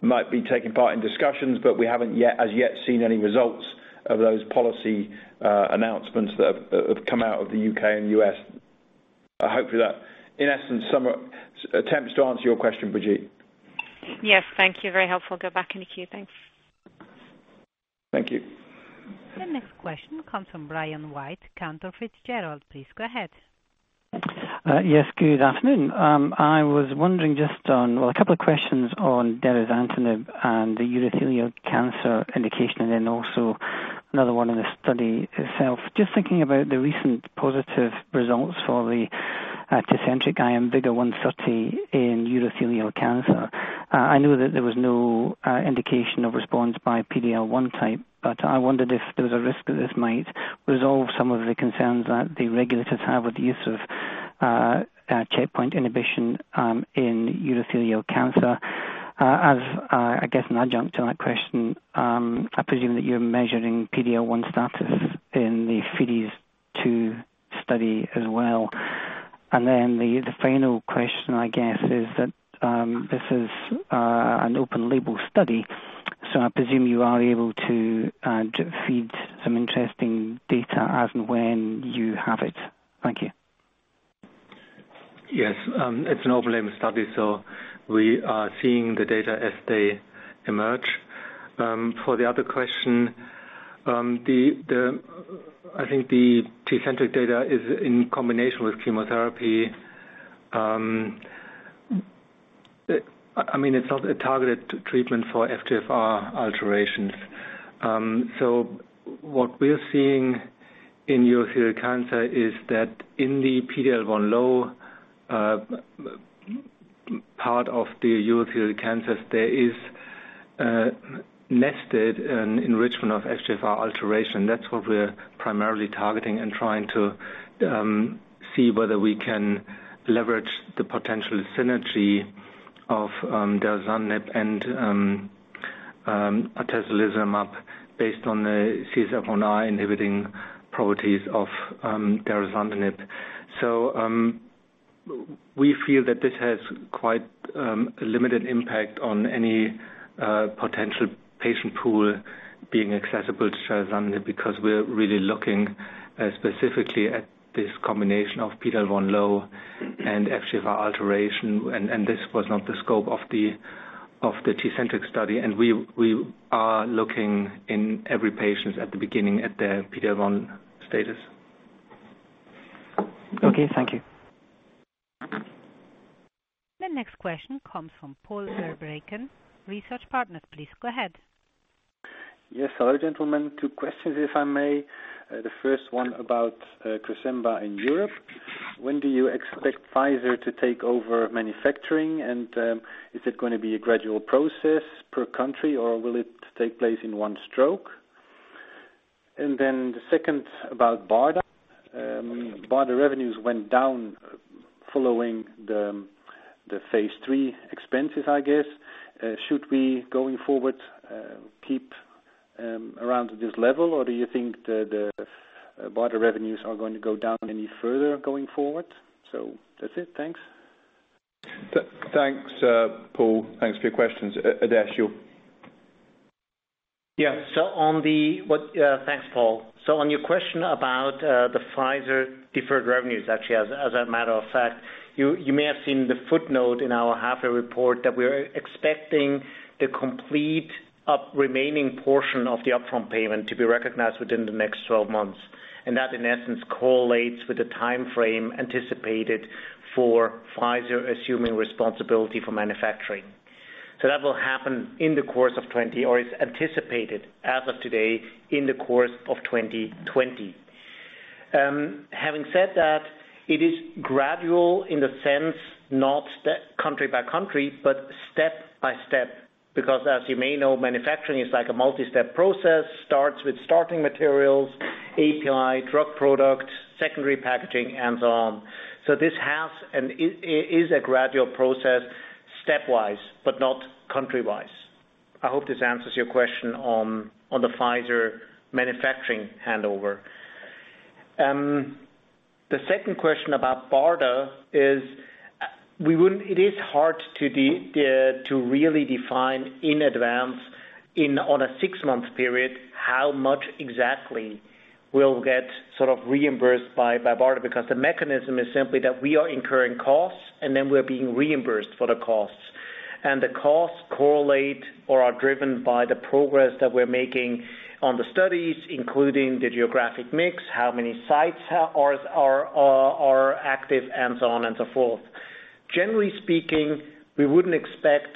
Speaker 2: might be taking part in discussions, but we haven't as yet seen any results of those policy announcements that have come out of the U.K. and U.S. I hope that, in essence, attempts to answer your question, Brigitte.
Speaker 8: Yes. Thank you. Very helpful. Go back in the queue. Thanks.
Speaker 2: Thank you.
Speaker 1: The next question comes from Brian White, Cantor Fitzgerald. Please go ahead.
Speaker 9: Yes. Good afternoon. I was wondering just on Well, a couple of questions on derazantinib and the urothelial cancer indication, also another one on the study itself. Just thinking about the recent positive results for the TECENTRIQ, IMvigor130 in urothelial cancer. I know that there was no indication of response by PD-L1 type, I wondered if there was a risk that this might resolve some of the concerns that the regulators have with the use of checkpoint inhibition in urothelial cancer. As an adjunct to that question, I presume that you're measuring PD-L1 status in the FIDES-02 study as well. The final question is that this is an open-label study, I presume you are able to feed some interesting data as and when you have it. Thank you.
Speaker 4: Yes. It's an open label study. We are seeing the data as they emerge. For the other question, I think the TECENTRIQ data is in combination with chemotherapy. It's not a targeted treatment for FGFR alterations. What we're seeing in urothelial cancer is that in the PD-L1 low part of the urothelial cancers, there is a nested enrichment of FGFR alteration. That's what we're primarily targeting and trying to see whether we can leverage the potential synergy of derazantinib and atezolizumab based on the CSF1R inhibiting properties of derazantinib. We feel that this has quite a limited impact on any potential patient pool being accessible to derazantinib because we're really looking specifically at this combination of PD-L1 low and FGFR alteration, and this was not the scope of the TECENTRIQ study. We are looking in every patient at the beginning at their PD-L1 status.
Speaker 9: Okay, thank you.
Speaker 1: The next question comes from Paul Verbraeken, Research Partners. Please go ahead.
Speaker 10: Yes. Hello, gentlemen. Two questions, if I may. The first one about Cresemba in Europe. When do you expect Pfizer to take over manufacturing, and is it going to be a gradual process per country, or will it take place in one stroke? The second about BARDA. BARDA revenues went down following the phase III expenses, I guess. Should we, going forward, keep around this level, or do you think the BARDA revenues are going to go down any further going forward? That's it. Thanks.
Speaker 2: Thanks, Paul. Thanks for your questions. Adesh, you.
Speaker 3: Thanks, Paul. On your question about the Pfizer deferred revenues. Actually, as a matter of fact, you may have seen the footnote in our halfway report that we're expecting the complete remaining portion of the upfront payment to be recognized within the next 12 months. That, in essence, correlates with the timeframe anticipated for Pfizer assuming responsibility for manufacturing. That will happen in the course of 2020, or is anticipated as of today, in the course of 2020. Having said that, it is gradual in the sense not country by country, but step by step, because as you may know, manufacturing is like a multistep process. It starts with starting materials, API, drug product, secondary packaging, and so on. This is a gradual process, stepwise, but not country-wise. I hope this answers your question on the Pfizer manufacturing handover. The second question about BARDA is, it is hard to really define in advance on a six-month period how much exactly will get reimbursed by BARDA, because the mechanism is simply that we are incurring costs and then we're being reimbursed for the costs. The costs correlate or are driven by the progress that we're making on the studies, including the geographic mix, how many sites are active, and so on and so forth. Generally speaking, we wouldn't expect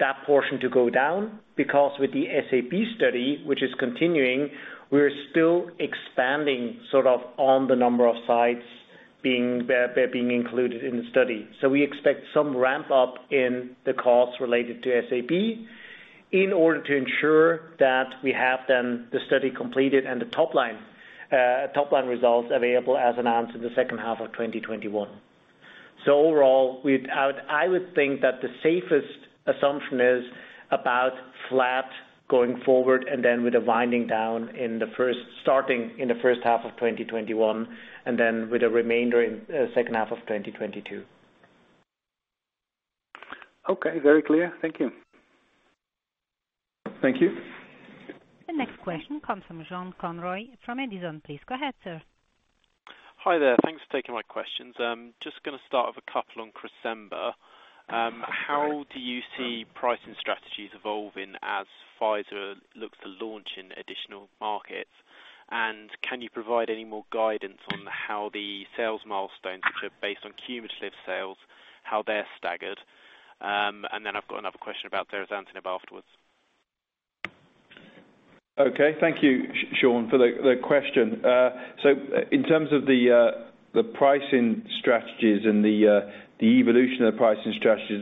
Speaker 3: that portion to go down because with the SAB study, which is continuing, we're still expanding on the number of sites being included in the study. We expect some ramp-up in the costs related to SAB in order to ensure that we have then the study completed and the top-line results available as announced in the second half of 2021. Overall, I would think that the safest assumption is about flat going forward, and then with a winding down starting in the first half of 2021, and then with the remainder in the second half of 2022.
Speaker 10: Okay, very clear. Thank you.
Speaker 2: Thank you.
Speaker 1: The next question comes from Sean Conroy from Edison. Please go ahead, sir.
Speaker 11: Hi there. Thanks for taking my questions. Just going to start with a couple on Cresemba. How do you see pricing strategies evolving as Pfizer looks to launch in additional markets? Can you provide any more guidance on how the sales milestones, which are based on cumulative sales, how they're staggered? I've got another question about derazantinib afterwards.
Speaker 2: Okay. Thank you, Sean, for the question. In terms of the pricing strategies and the evolution of the pricing strategies,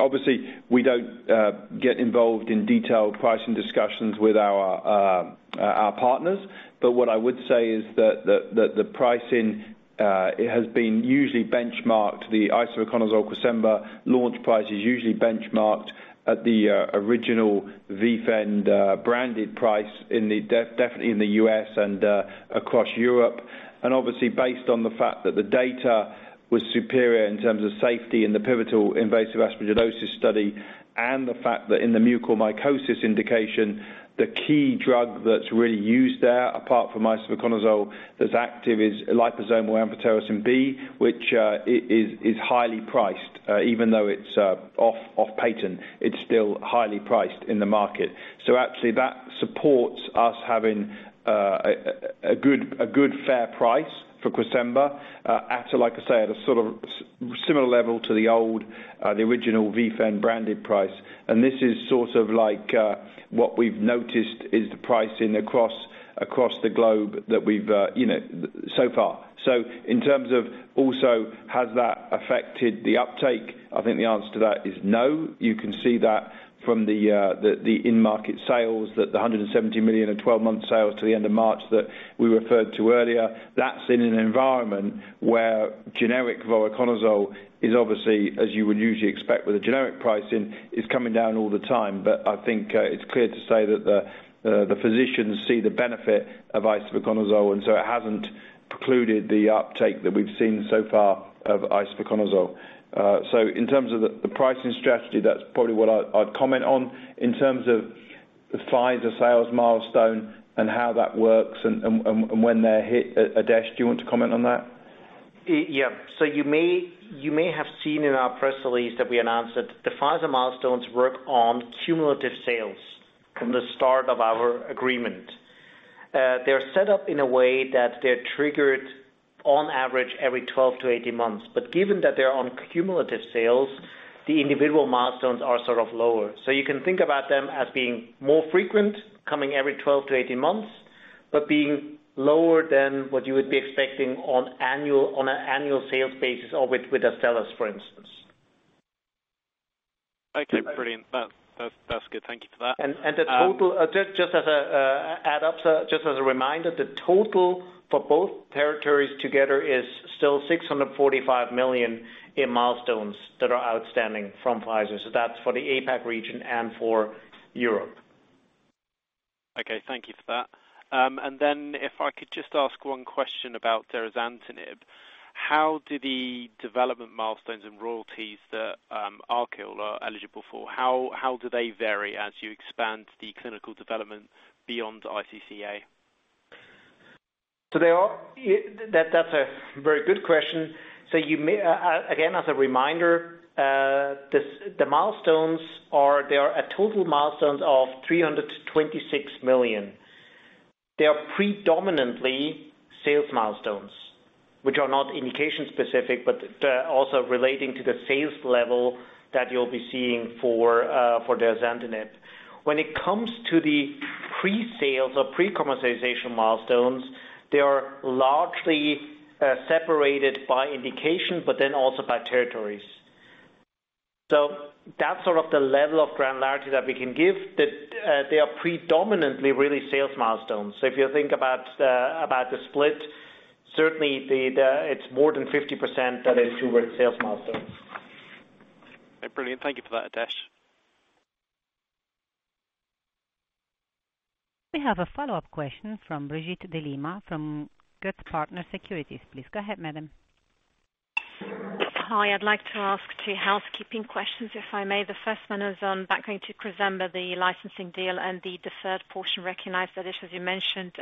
Speaker 2: obviously we don't get involved in detailed pricing discussions with our partners. What I would say is that the pricing, it has been usually benchmarked, the isavuconazole Cresemba launch price is usually benchmarked at the original VFEND and branded price definitely in the U.S. and across Europe. Obviously based on the fact that the data was superior in terms of safety in the pivotal invasive aspergillosis study and the fact that in the mucormycosis indication, the key drug that's really used there, apart from isavuconazole, that's active is liposomal amphotericin B, which is highly priced. Even though it's off patent, it's still highly priced in the market. Actually that supports us having a good fair price for Cresemba, like I say, at a sort of similar level to the original VFEND and branded price. This is sort of like what we've noticed is the pricing across the globe so far. In terms of also has that affected the uptake, I think the answer to that is no. You can see that from the in-market sales, that the $170 million and 12-month sales to the end of March that we referred to earlier. That's in an environment where generic voriconazole is obviously, as you would usually expect with a generic pricing, is coming down all the time. I think it's clear to say that the physicians see the benefit of isavuconazole, so it hasn't precluded the uptake that we've seen so far of isavuconazole. In terms of the pricing strategy, that's probably what I'd comment on. In terms of the Pfizer sales milestone and how that works and when they're hit. Adesh, do you want to comment on that?
Speaker 3: You may have seen in our press release that we announced that the Pfizer milestones work on cumulative sales from the start of our agreement. They're set up in a way that they're triggered on average every 12-18 months. Given that they're on cumulative sales, the individual milestones are sort of lower. You can think about them as being more frequent, coming every 12-18 months, but being lower than what you would be expecting on an annual sales basis or with Astellas, for instance.
Speaker 11: Okay, brilliant. That's good. Thank you for that.
Speaker 3: Just as a reminder, the total for both territories together is still 645 million in milestones that are outstanding from Pfizer. That's for the APAC region and for Europe.
Speaker 11: Okay, thank you for that. If I could just ask one question about derazantinib. How do the development milestones and royalties that ArQule are eligible for, how do they vary as you expand the clinical development beyond iCCA?
Speaker 3: That's a very good question. Again, as a reminder, the milestones, they are total milestones of 326 million. They are predominantly sales milestones, which are not indication-specific, but also relating to the sales level that you'll be seeing for derazantinib. When it comes to the pre-sales or pre-commercialization milestones, they are largely separated by indication, but then also by territories. That's sort of the level of granularity that we can give. They are predominantly really sales milestones. If you think about the split, certainly it's more than 50% that is towards sales milestones.
Speaker 11: Brilliant. Thank you for that, Adesh.
Speaker 1: We have a follow-up question from Brigitte de Lima from goetzpartners securities. Please go ahead, madam.
Speaker 8: Hi. I'd like to ask two housekeeping questions, if I may. The first one is on back going to Cresemba, the licensing deal and the deferred portion recognized. Adesh, as you mentioned,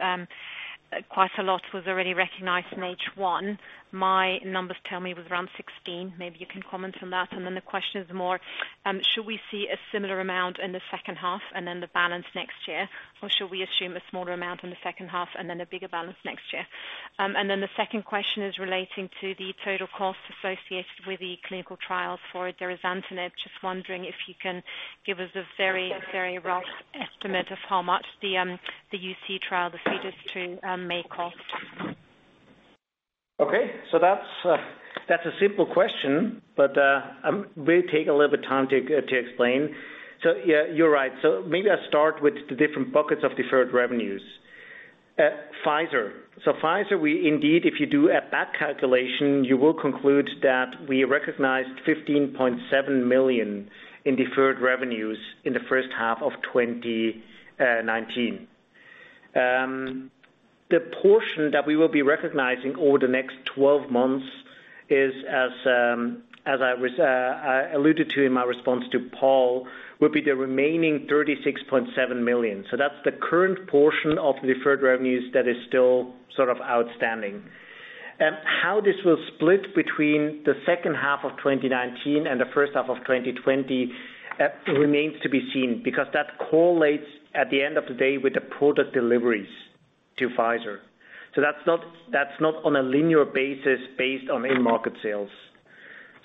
Speaker 8: quite a lot was already recognized in H1. My numbers tell me it was around 16 million. Maybe you can comment on that. The question is more, should we see a similar amount in the second half and then the balance next year? Or should we assume a smaller amount in the second half and then a bigger balance next year? The second question is relating to the total cost associated with the clinical trials for derazantinib. Just wondering if you can give us a very, very rough estimate of how much the UC trial, the phase II, may cost.
Speaker 3: Okay. That's a simple question, but will take a little bit time to explain. Yeah, you're right. Maybe I start with the different buckets of deferred revenues. Pfizer. Pfizer, indeed, if you do a back calculation, you will conclude that we recognized 15.7 million in deferred revenues in the first half of 2019. The portion that we will be recognizing over the next 12 months is, as I alluded to in my response to Paul, would be the remaining 36.7 million. That's the current portion of deferred revenues that is still sort of outstanding. How this will split between the second half of 2019 and the first half of 2020 remains to be seen, because that correlates at the end of the day with the product deliveries to Pfizer. That's not on a linear basis based on end market sales.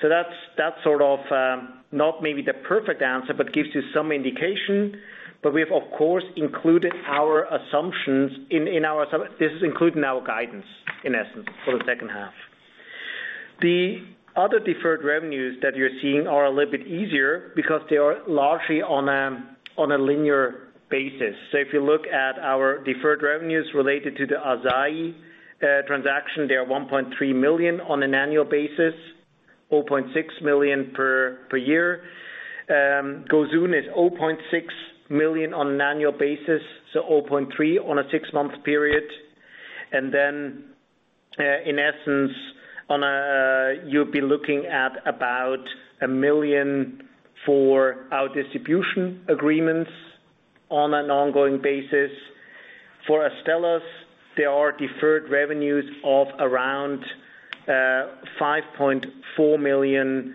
Speaker 3: That's sort of, not maybe the perfect answer, but gives you some indication. We've of course included our assumptions in our, this is included in our guidance, in essence, for the second half. The other deferred revenues that you're seeing are a little bit easier because they are largely on a linear basis. If you look at our deferred revenues related to the Asahi transaction, they are 1.3 million on an annual basis, 0.6 million per year. Gosun is 0.6 million on an annual basis, so 0.3 million on a six-month period. Then, in essence, you'll be looking at about 1 million for our distribution agreements on an ongoing basis. For Astellas, there are deferred revenues of around 5.4 million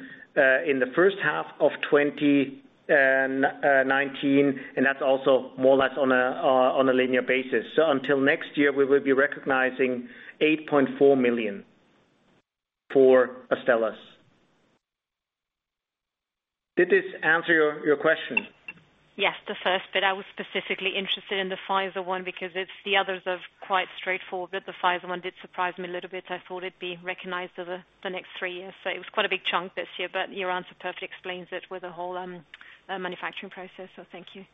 Speaker 3: in the first half of 2019, that's also more or less on a linear basis. Until next year, we will be recognizing 8.4 million for Astellas. Did this answer your question?
Speaker 8: Yes, the first bit. I was specifically interested in the Pfizer one because the others are quite straightforward, but the Pfizer one did surprise me a little bit. I thought it'd be recognized over the next three years. It was quite a big chunk this year, but your answer perfectly explains it with the whole manufacturing process. Thank you.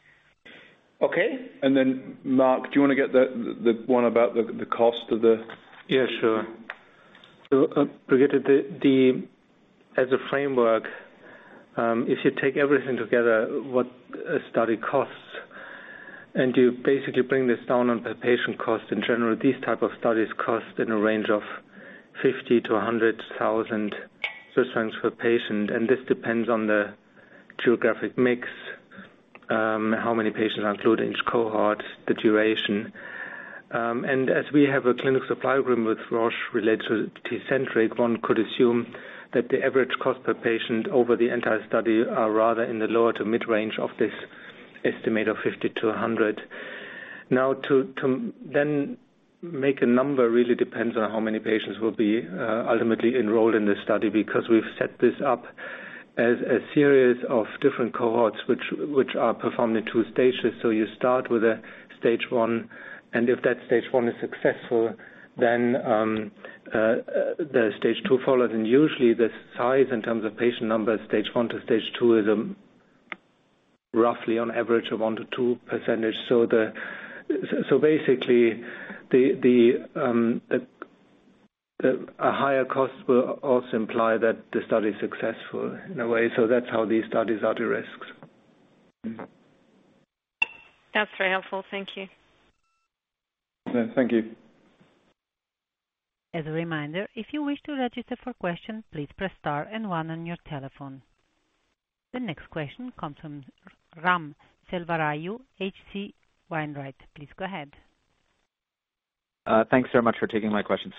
Speaker 3: Okay.
Speaker 2: Marc, do you want to get the one about the cost of the?
Speaker 4: Yeah, sure. Brigitte, as a framework, if you take everything together, what a study costs and you basically bring this down on per patient cost, in general, these type of studies cost in a range of 50,000-100,000 Swiss francs per patient. This depends on the geographic mix, how many patients are included in each cohort, the duration. As we have a clinical supply agreement with Roche related to TECENTRIQ, one could assume that the average cost per patient over the entire study are rather in the lower to mid-range of this estimate of 50,000-100,000. To then make a number really depends on how many patients will be ultimately enrolled in this study because we've set this up as a series of different cohorts which are performed in two stages. You start with a Stage 1, and if that Stage 1 is successful, then the Stage 2 follows, and usually the size in terms of patient numbers, Stage 1 to Stage 2 is roughly on average of 1% to 2%. Basically, a higher cost will also imply that the study is successful in a way. That's how these studies are de-risked.
Speaker 8: That's very helpful. Thank you.
Speaker 2: Thank you.
Speaker 1: As a reminder, if you wish to register for questions, please press star and one on your telephone. The next question comes from Ram Selvaraju, H.C. Wainwright. Please go ahead.
Speaker 12: Thanks very much for taking my question.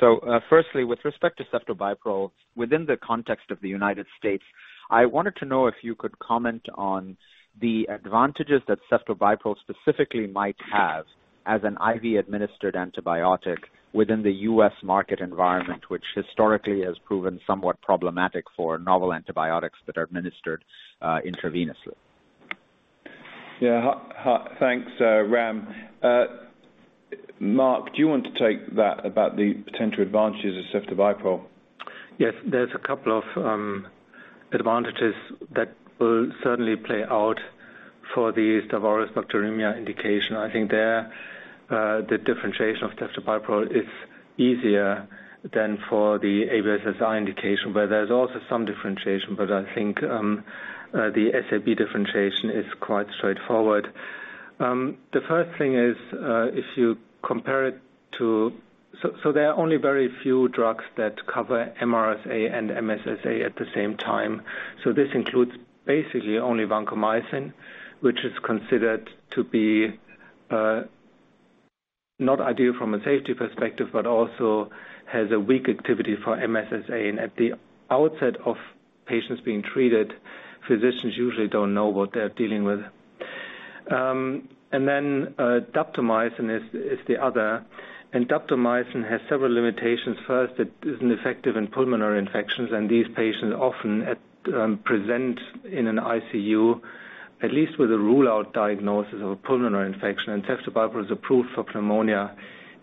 Speaker 12: Firstly, with respect to ceftobiprole, within the context of the United States, I wanted to know if you could comment on the advantages that ceftobiprole specifically might have as an IV-administered antibiotic within the U.S. market environment, which historically has proven somewhat problematic for novel antibiotics that are administered intravenously.
Speaker 2: Yeah. Thanks, Ram. Marc, do you want to take that about the potential advantages of ceftobiprole?
Speaker 4: Yes. There's a couple of advantages that will certainly play out for the Staph aureus bacteremia indication. I think there, the differentiation of ceftobiprole is easier than for the ABSSSI indication. There's also some differentiation. I think the SAB differentiation is quite straightforward. The first thing is, if you compare it to, there are only very few drugs that cover MRSA and MSSA at the same time. This includes basically only vancomycin, which is considered to be not ideal from a safety perspective, but also has a weak activity for MSSA. At the outset of patients being treated, physicians usually don't know what they're dealing with. Daptomycin is the other. Daptomycin has several limitations. First, it isn't effective in pulmonary infections. These patients often present in an ICU, at least with a rule-out diagnosis of a pulmonary infection. Ceftobiprole is approved for pneumonia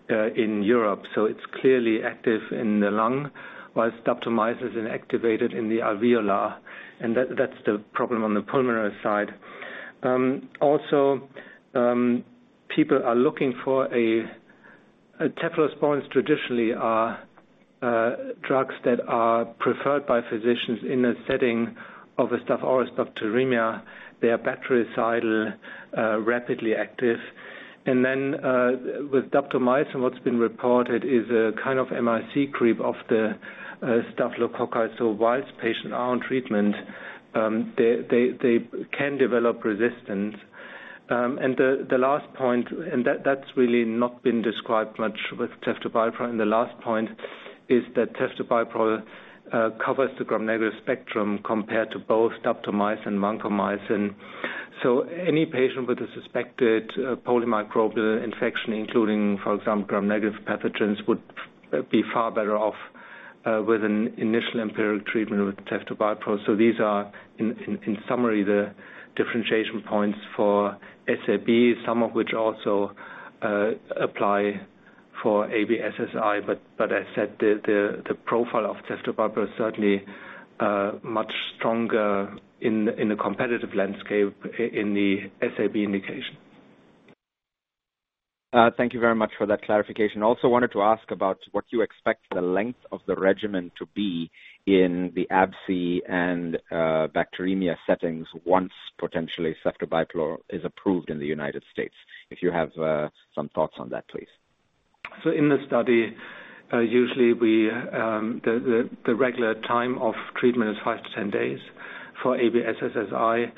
Speaker 4: in Europe, it's clearly active in the lung, whilst daptomycin is inactivated in the alveolar, that's the problem on the pulmonary side. Also, people are looking for cephalosporins traditionally are drugs that are preferred by physicians in a setting of a Staph aureus bacteremia. They are bactericidal, rapidly active. With daptomycin, what's been reported is a kind of MIC creep of the staphylococci. Whilst patients are on treatment, they can develop resistance. That's really not been described much with ceftobiprole, the last point is that ceftobiprole covers the gram-negative spectrum compared to both daptomycin, vancomycin. Any patient with a suspected polymicrobial infection, including, for example, gram-negative pathogens, would be far better off with an initial empirical treatment with ceftobiprole. These are, in summary, the differentiation points for SAB, some of which also apply for ABSSSI. As I said, the profile of ceftobiprole is certainly much stronger in the competitive landscape in the SAB indication.
Speaker 12: Thank you very much for that clarification. Wanted to ask about what you expect the length of the regimen to be in the ABSSSI and bacteremia settings once potentially ceftobiprole is approved in the U.S. If you have some thoughts on that, please.
Speaker 4: In the study, usually the regular time of treatment is 5-10 days for ABSSSI,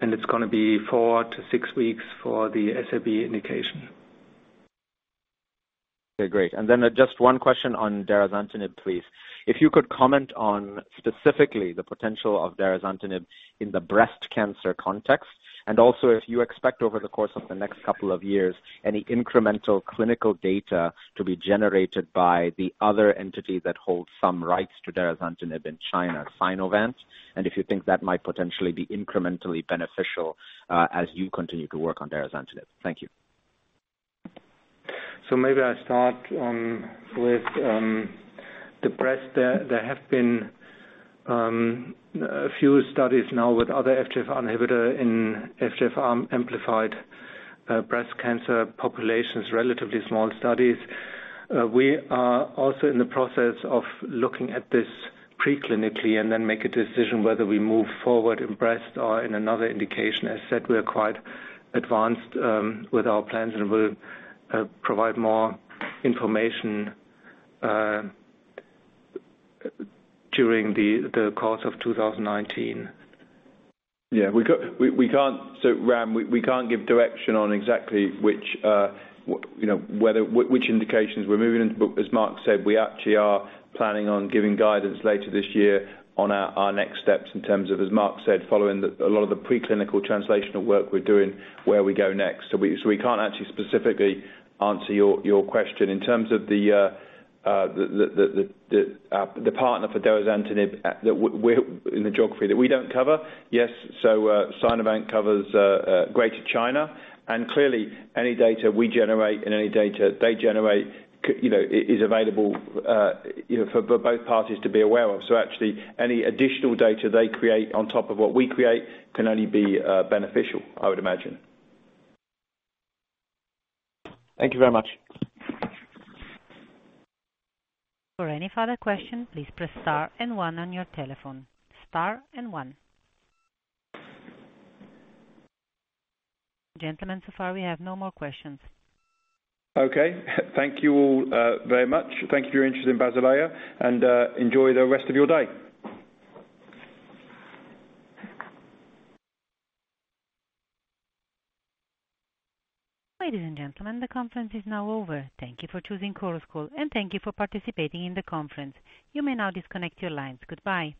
Speaker 4: and it's going to be four to six weeks for the SAB indication.
Speaker 12: Okay, great. Just one question on darolutamid, please. If you could comment on specifically the potential of darolutamid in the breast cancer context, also if you expect over the course of the next couple of years any incremental clinical data to be generated by the other entity that holds some rights to darolutamid in China, Sinovant, and if you think that might potentially be incrementally beneficial as you continue to work on darolutamid. Thank you.
Speaker 4: Maybe I start with the breast. There have been a few studies now with other FGFR inhibitor in FGFR-amplified breast cancer populations, relatively small studies. We are also in the process of looking at this preclinically and then make a decision whether we move forward in breast or in another indication. As I said, we are quite advanced with our plans, and we'll provide more information during the course of 2019.
Speaker 2: Ram, we can't give direction on exactly which indications we're moving into, but as Marc said, we actually are planning on giving guidance later this year on our next steps in terms of, as Marc said, following a lot of the preclinical translational work we're doing, where we go next. We can't actually specifically answer your question. In terms of the partner for darolutamid in the geography that we don't cover, yes, Sinovant covers Greater China, and clearly any data we generate and any data they generate is available for both parties to be aware of. Actually, any additional data they create on top of what we create can only be beneficial, I would imagine.
Speaker 12: Thank you very much.
Speaker 1: For any further question, please press star and one on your telephone. Star and one. Gentlemen, so far we have no more questions.
Speaker 2: Okay. Thank you all very much. Thank you for your interest in Basilea, and enjoy the rest of your day.
Speaker 1: Ladies and gentlemen, the conference is now over. Thank you for choosing Chorus Call, and thank you for participating in the conference. You may now disconnect your lines. Goodbye.